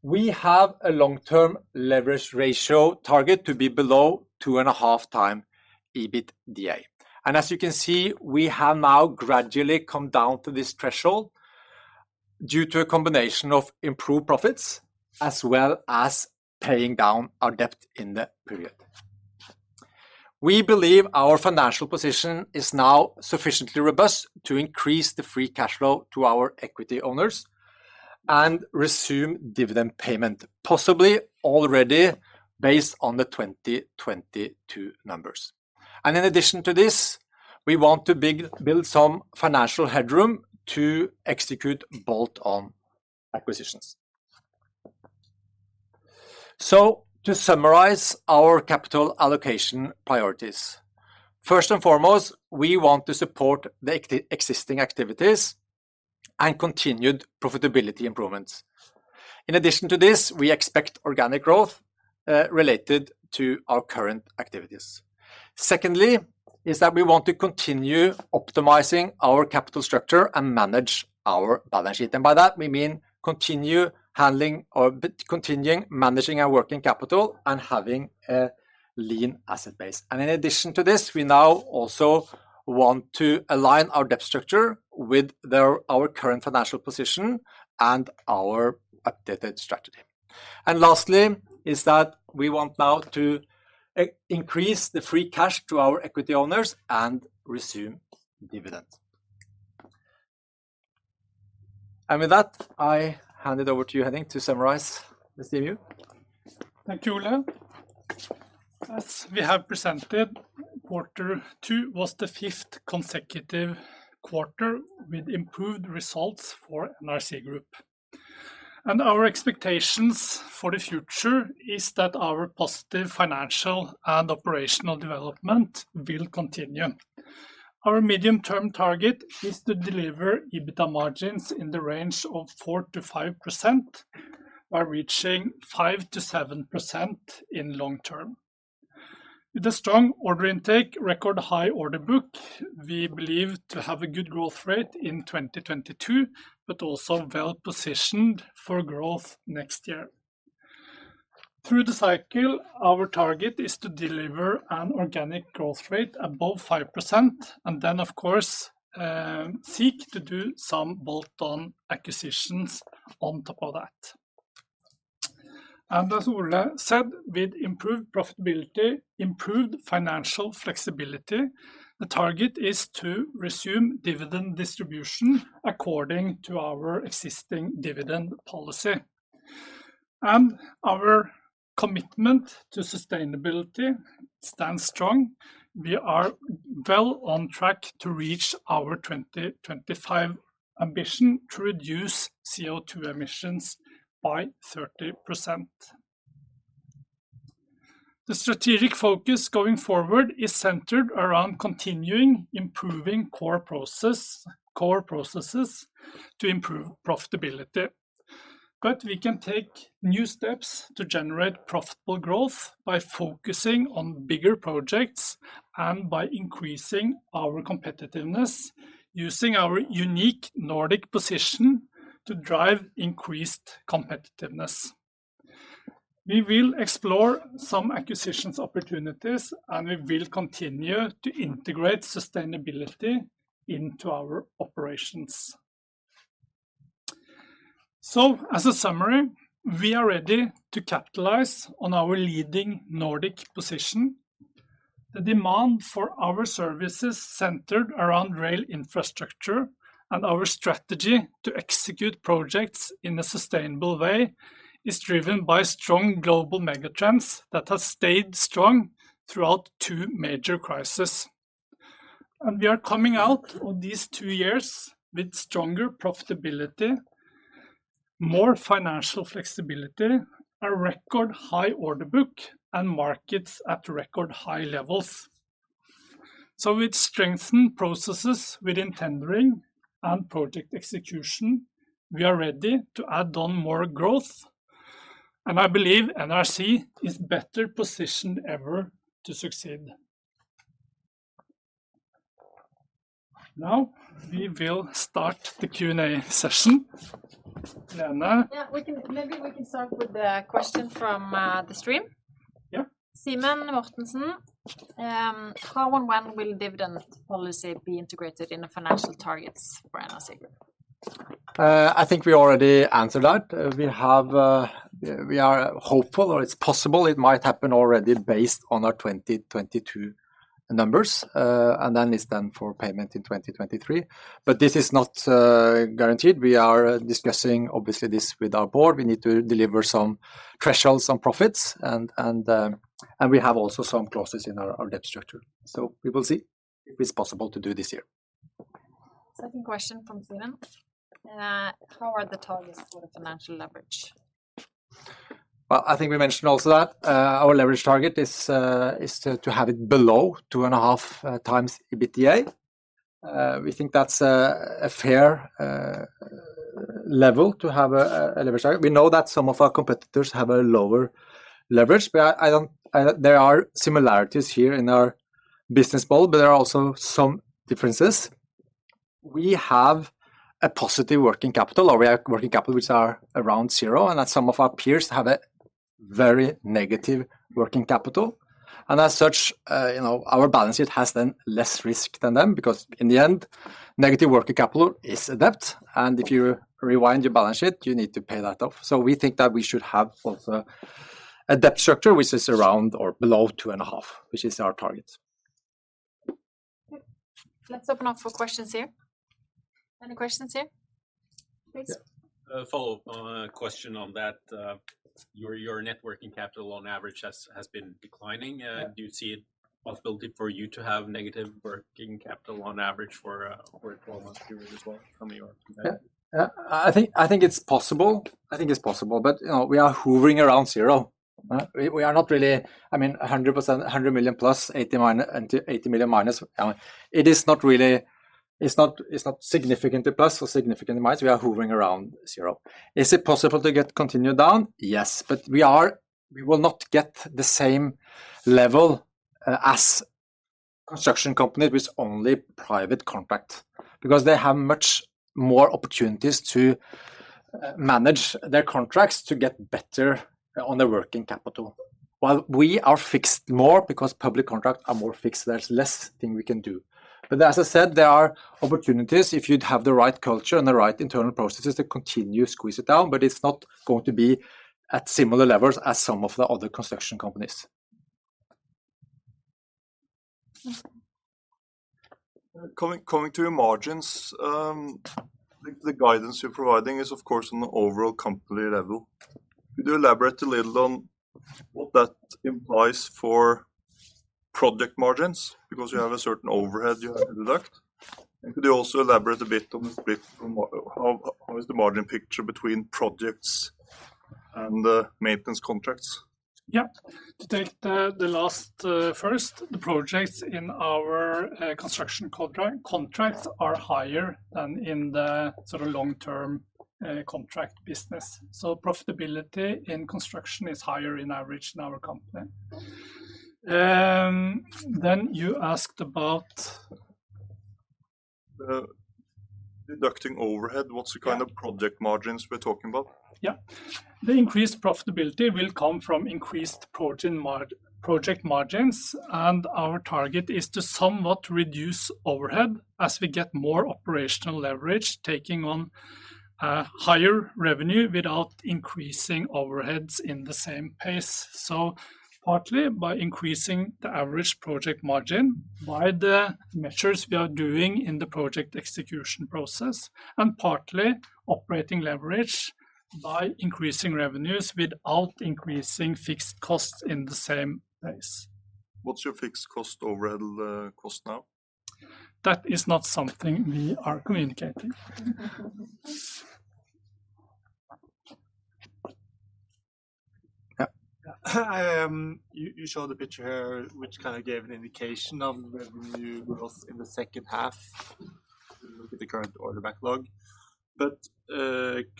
We have a long-term leverage ratio target to be below 2.5x EBITDA. As you can see, we have now gradually come down to this threshold due to a combination of improved profits as well as paying down our debt in that period. We believe our financial position is now sufficiently robust to increase the free cash flow to our equity owners and resume dividend payment, possibly already based on the 2022 numbers. In addition to this, we want to build some financial headroom to execute bolt-on acquisitions. To summarize our capital allocation priorities, first and foremost, we want to support the existing activities and continued profitability improvements. In addition to this, we expect organic growth related to our current activities. Secondly is that we want to continue optimizing our capital structure and manage our balance sheet. By that, we mean continue handling or continuing managing our working capital and having a lean asset base. In addition to this, we now also want to align our debt structure with our current financial position and our updated strategy. Lastly is that we want now to increase the free cash to our equity owners and resume dividends. With that, I hand it over to you, Henning, to summarize this review. Thank you, Ole. As we have presented, quarter two was the fifth consecutive quarter with improved results for NRC Group. Our expectations for the future is that our positive financial and operational development will continue. Our medium-term target is to deliver EBITDA margins in the range of 4%-5% while reaching 5%-7% in long term. With a strong order intake, record high order book, we believe to have a good growth rate in 2022, but also well-positioned for growth next year. Through the cycle, our target is to deliver an organic growth rate above 5% and then of course, seek to do some bolt-on acquisitions on top of that. As Ole said, with improved profitability, improved financial flexibility, the target is to resume dividend distribution according to our existing dividend policy. Our commitment to sustainability stands strong. We are well on track to reach our 2025 ambition to reduce CO2 emissions by 30%. The strategic focus going forward is centered around continuing to improve core processes to improve profitability. We can take new steps to generate profitable growth by focusing on bigger projects and by increasing our competitiveness using our unique Nordic position to drive increased competitiveness. We will explore some acquisition opportunities, and we will continue to integrate sustainability into our operations. As a summary, we are ready to capitalize on our leading Nordic position. The demand for our services centered around rail infrastructure and our strategy to execute projects in a sustainable way is driven by strong global mega trends that have stayed strong throughout two major crises. We are coming out of these two years with stronger profitability, more financial flexibility, a record high order book, and markets at record high levels. With strengthened processes within tendering and project execution, we are ready to add on more growth, and I believe NRC is better positioned ever to succeed. Now, we will start the Q&A session. Lene? Yeah. Maybe we can start with a question from the stream. Yeah. Simen Mortensen, how and when will dividend policy be integrated in the financial targets for NRC? I think we already answered that. We have, we are hopeful, or it's possible it might happen already based on our 2022 numbers, and then it's done for payment in 2023. But this is not guaranteed. We are discussing obviously this with our board. We need to deliver some thresholds, some profits, and we have also some clauses in our debt structure. We will see if it's possible to do this year. Second question from Simen. How are the targets for the financial leverage? Well, I think we mentioned also that our leverage target is to have it below 2.5x EBITDA. We think that's a fair level to have a leverage target. We know that some of our competitors have a lower leverage, but there are similarities here in our business model, but there are also some differences. We have a positive working capital, or our working capital which is around zero, and that some of our peers have a very negative working capital. As such, you know, our balance sheet has then less risk than them because in the end, negative working capital is a debt, and if you unwind your balance sheet, you need to pay that off. We think that we should have also a debt structure which is around or below 2.5, which is our target. Yep. Let's open up for questions here. Any questions here? Please. A follow-up on a question on that. Your net working capital on average has been declining. Do you see a possibility for you to have negative working capital on average for a 12-month period as well from your perspective? Yeah. I think it's possible, but you know, we are hovering around zero. We are not really. I mean, 100 million plus, 80 million minus. I mean, it is not really. It's not significantly plus or significantly minus. We are hovering around zero. Is it possible to get continued down? Yes. We will not get the same level as construction company with only private contract because they have much more opportunities to manage their contracts to get better on their working capital. While we are fixed more because public contract are more fixed, there's less thing we can do. As I said, there are opportunities if you'd have the right culture and the right internal processes to continue squeeze it down, but it's not going to be at similar levels as some of the other construction companies. Mm-hmm. Coming to your margins, I think the guidance you're providing is, of course, on the overall company level. Could you elaborate a little on what that implies for project margins? Because you have a certain overhead you have to deduct. Could you also elaborate a bit on this bit. How is the margin picture between projects and the maintenance contracts? Yeah. To take the last first, the projects in our construction contracts are higher than in the sort of long-term contract business. Profitability in construction is higher on average in our company. You asked about. The deducting overhead. Yeah. The kind of project margins we're talking about? Yeah. The increased profitability will come from increased project margins, and our target is to somewhat reduce overhead as we get more operational leverage, taking on higher revenue without increasing overheads in the same pace. Partly by increasing the average project margin by the measures we are doing in the project execution process, and partly operating leverage by increasing revenues without increasing fixed costs in the same pace. What's your fixed cost overall, cost now? That is not something we are communicating. You showed a picture here which kind of gave an indication of revenue growth in the second half if we look at the current order backlog. Could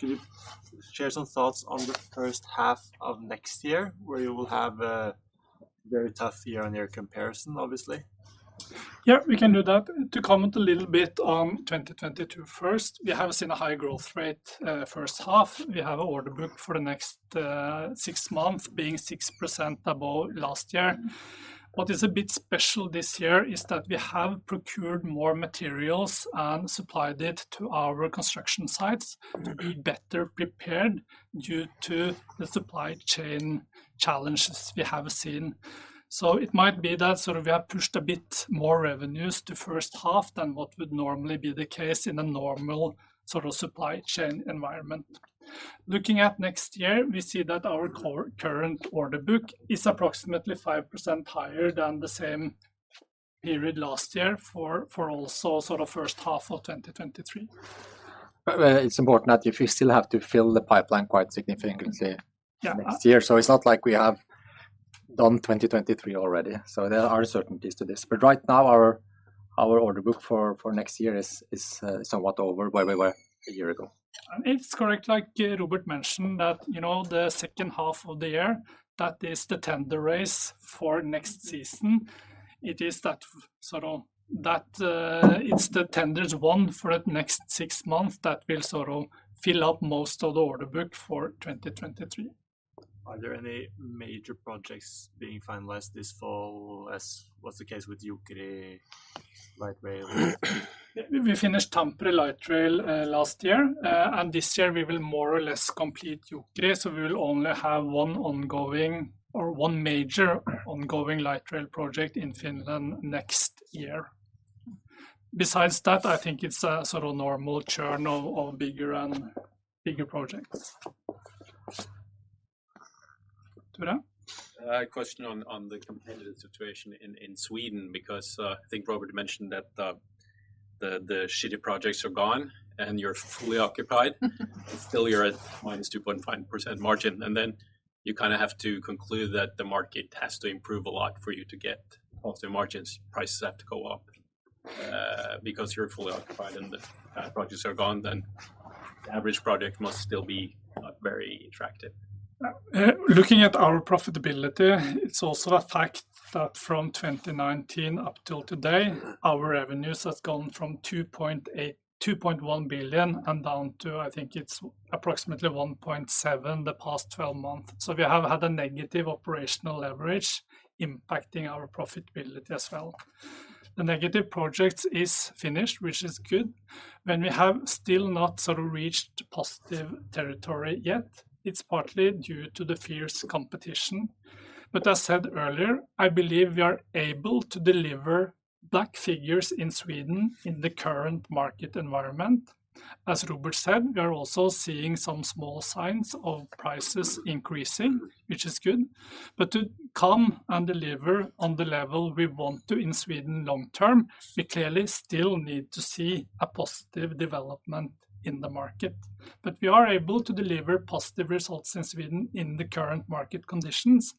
you share some thoughts on the first half of next year where you will have a very tough year on your comparison, obviously? Yeah, we can do that. To comment a little bit on 2022 first, we have seen a high growth rate first half. We have order book for the next six months being 6% above last year. What is a bit special this year is that we have procured more materials and supplied it to our construction sites to be better prepared due to the supply chain challenges we have seen. It might be that, sort of, we have pushed a bit more revenues to first half than what would normally be the case in a normal, sort of, supply chain environment. Looking at next year, we see that our current order book is approximately 5% higher than the same period last year for also sort of first half of 2023. It's important that if you still have to fill the pipeline quite significantly. Yeah. Next year. It's not like we have done 2023 already. There are uncertainties to this. Right now our order book for next year is somewhat over where we were a year ago. It's correct, like, Robert mentioned, that, you know, the second half of the year, that is the tender race for next season. It is that, sort of, it's the tenders won for the next six months that will, sort of, fill up most of the order book for 2023. Are there any major projects being finalized this fall as was the case with Jokeri Light Rail? We finished Tampere Light Rail last year. This year we will more or less complete Jokeri, so we will only have one ongoing or one major ongoing light rail project in Finland next year. Besides that, I think it's a sort of normal churn of bigger and bigger projects. Tore? I had a question on the competitive situation in Sweden, because I think Robert mentioned that the projects are gone and you're fully occupied. Still you're at -2.5% margin, and then you kind of have to conclude that the market has to improve a lot for you to get positive margins. Prices have to go up, because you're fully occupied and the projects are gone, then the average project must still be not very attractive. Looking at our profitability, it's also a fact that from 2019 up till today, our revenues has gone from 2.1 billion and down to, I think it's approximately 1.7 billion the past 12 months. We have had a negative operational leverage impacting our profitability as well. The negative projects is finished, which is good. When we have still not, sort of, reached positive territory yet, it's partly due to the fierce competition. I said earlier, I believe we are able to deliver back figures in Sweden in the current market environment. As Robert said, we are also seeing some small signs of prices increasing, which is good. To come and deliver on the level we want to in Sweden long term, we clearly still need to see a positive development in the market. We are able to deliver positive results in Sweden in the current market conditions.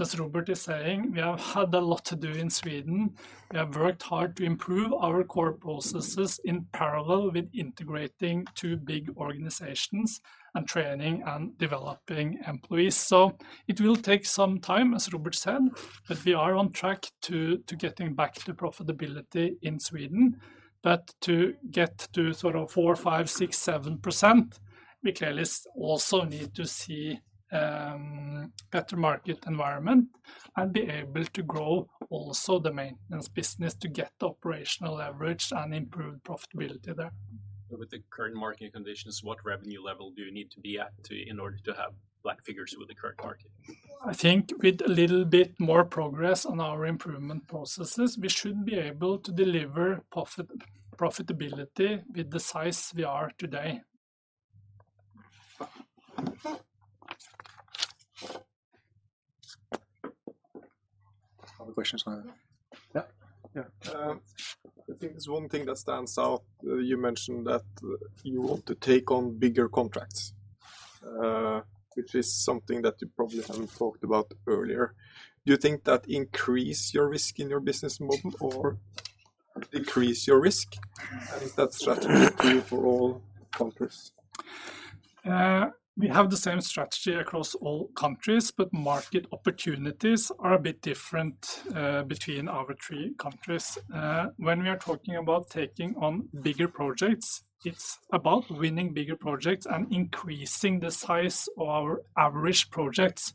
As Robert is saying, we have had a lot to do in Sweden. We have worked hard to improve our core processes in parallel with integrating two big organizations and training and developing employees. It will take some time, as Robert said, but we are on track to getting back to profitability in Sweden. To get to, sort of, 4%-7%, we clearly also need to see better market environment and be able to grow also the maintenance business to get operational leverage and improve profitability there. With the current market conditions, what revenue level do you need to be at in order to have black figures with the current market? I think with a little bit more progress on our improvement processes, we should be able to deliver profitability with the size we are today. Other questions now? Yeah. Yeah. I think there's one thing that stands out. You mentioned that you want to take on bigger contracts, which is something that you probably haven't talked about earlier. Do you think that increase your risk in your business model or decrease your risk? Is that strategy true for all countries? We have the same strategy across all countries, but market opportunities are a bit different between our three countries. When we are talking about taking on bigger projects, it's about winning bigger projects and increasing the size of our average projects.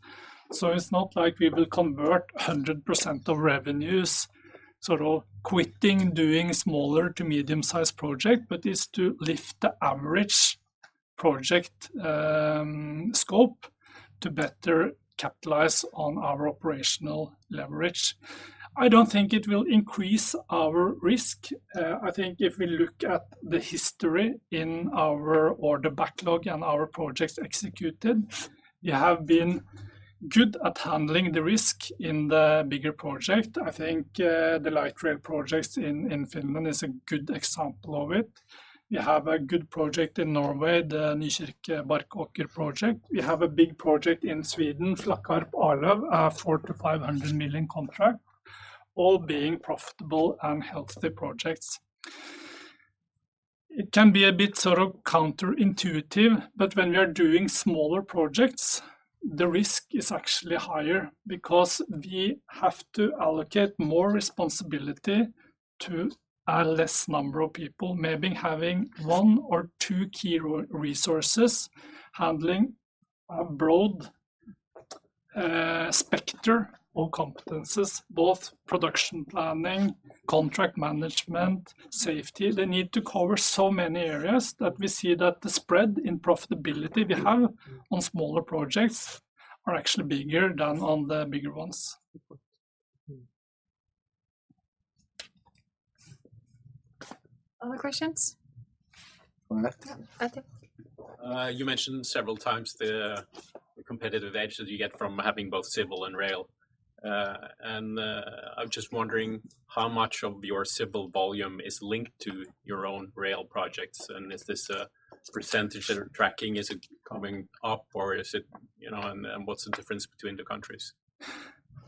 It's not like we will convert 100% of revenues, sort of, quitting doing smaller to medium size project, but it's to lift the average project scope to better capitalize on our operational leverage. I don't think it will increase our risk. I think if we look at the history in our order backlog and our projects executed, we have been good at handling the risk in the bigger project. I think the light rail projects in Finland is a good example of it. We have a good project in Norway, the Nykirke-Barkåker project. We have a big project in Sweden, Slagarp Arlöv, 400 million-500 million contract, all being profitable and healthy projects. It can be a bit sort of counter-intuitive, but when we are doing smaller projects, the risk is actually higher because we have to allocate more responsibility to a less number of people. Maybe having one or two key resources handling a broad spectrum of competences, both production planning, contract management, safety. They need to cover so many areas that we see that the spread in profitability we have on smaller projects are actually bigger than on the bigger ones. Other questions? From net? Yeah, I think. You mentioned several times the competitive edge that you get from having both civil and rail. I'm just wondering how much of your civil volume is linked to your own rail projects, and is this a percentage that you're tracking? Is it coming up or is it? You know, and what's the difference between the countries?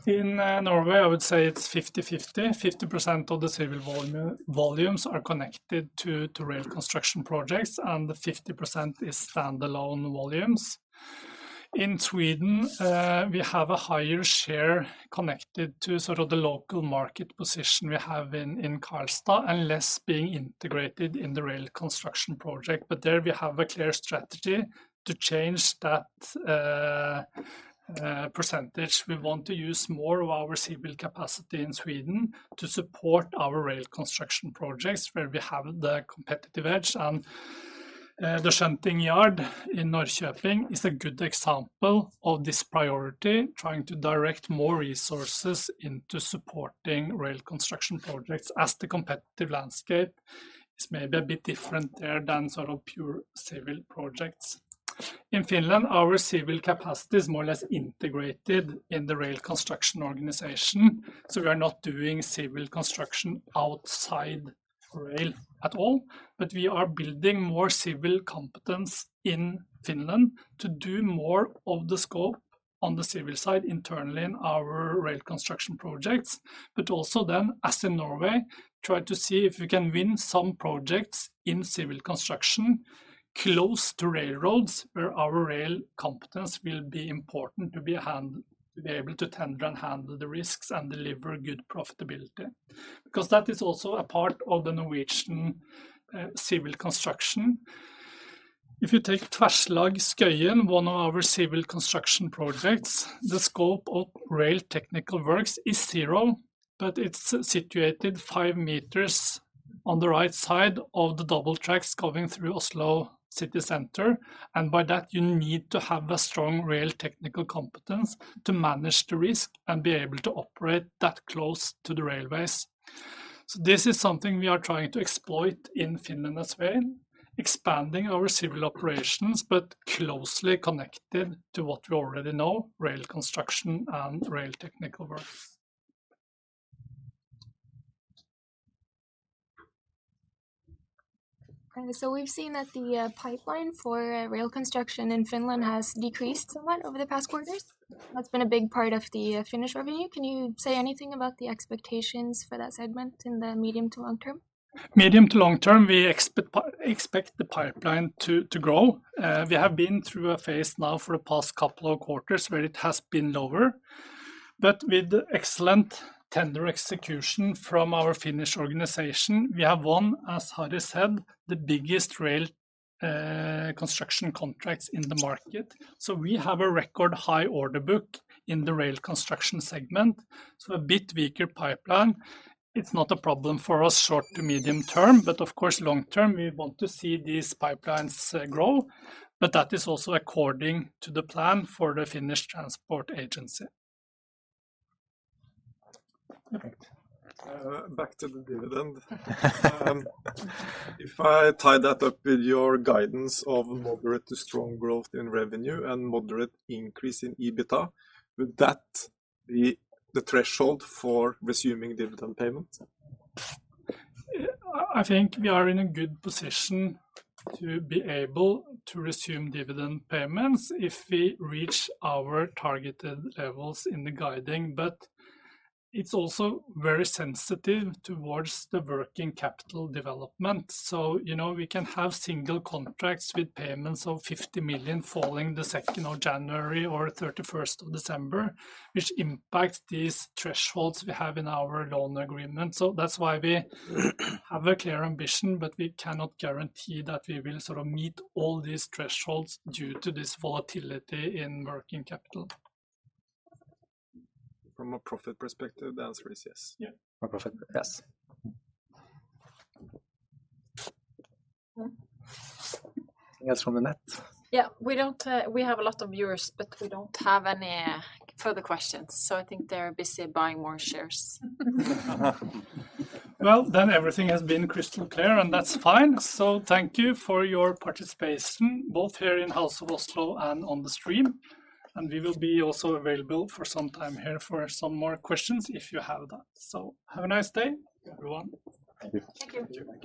In Norway, I would say it's 50-50. 50% of the civil volumes are connected to rail construction projects, and 50% is standalone volumes. In Sweden, we have a higher share connected to sort of the local market position we have in Karlstad and less being integrated in the rail construction project. There we have a clear strategy to change that percentage. We want to use more of our civil capacity in Sweden to support our rail construction projects where we have the competitive edge. The shunting yard in Norrköping is a good example of this priority, trying to direct more resources into supporting rail construction projects as the competitive landscape is maybe a bit different there than sort of pure civil projects. In Finland, our civil capacity is more or less integrated in the rail construction organization, so we are not doing civil construction outside rail at all. We are building more civil competence in Finland to do more of the scope on the civil side internally in our rail construction projects. Also, as in Norway, try to see if we can win some projects in civil construction close to railroads, where our rail competence will be important to be able to tender and handle the risks and deliver good profitability. Because that is also a part of the Norwegian civil construction. If you take Skøyen, one of our civil construction projects, the scope of rail technical works is zero, but it's situated five meters on the right side of the double tracks going through Oslo city center, and by that, you need to have a strong rail technical competence to manage the risk and be able to operate that close to the railways. This is something we are trying to exploit in Finland as well, expanding our civil operations, but closely connected to what we already know, rail construction and rail technical work. Okay. We've seen that the pipeline for rail construction in Finland has decreased somewhat over the past quarters. That's been a big part of the Finnish revenue. Can you say anything about the expectations for that segment in the medium to long term? Medium to long term, we expect the pipeline to grow. We have been through a phase now for the past couple of quarters where it has been lower. With excellent tender execution from our Finnish organization, we have won, as Harri said, the biggest rail construction contracts in the market. We have a record high order book in the rail construction segment. A bit weaker pipeline, it's not a problem for us short to medium term. Of course, long term, we want to see these pipelines grow, that is also according to the plan for the Finnish Transport Infrastructure Agency. Perfect. Back to the dividend. If I tie that up with your guidance of moderate to strong growth in revenue and moderate increase in EBITDA, would that be the threshold for resuming dividend payments? I think we are in a good position to be able to resume dividend payments if we reach our targeted levels in the guidance. It's also very sensitive toward the working capital development. You know, we can have single contracts with payments of 50 million falling the 2nd of January or 31st of December, which impact these thresholds we have in our loan agreement. That's why we have a clear ambition, but we cannot guarantee that we will sort of meet all these thresholds due to this volatility in working capital. From a profit perspective, the answer is yes. Yeah. From a profit, yes. Anything else from the net? Yeah. We have a lot of viewers, but we don't have any further questions, so I think they're busy buying more shares. Well, everything has been crystal clear, and that's fine. Thank you for your participation, both here in House of Oslo and on the stream. We will be also available for some time here for some more questions if you have that. Have a nice day, everyone. Thank you. Thank you.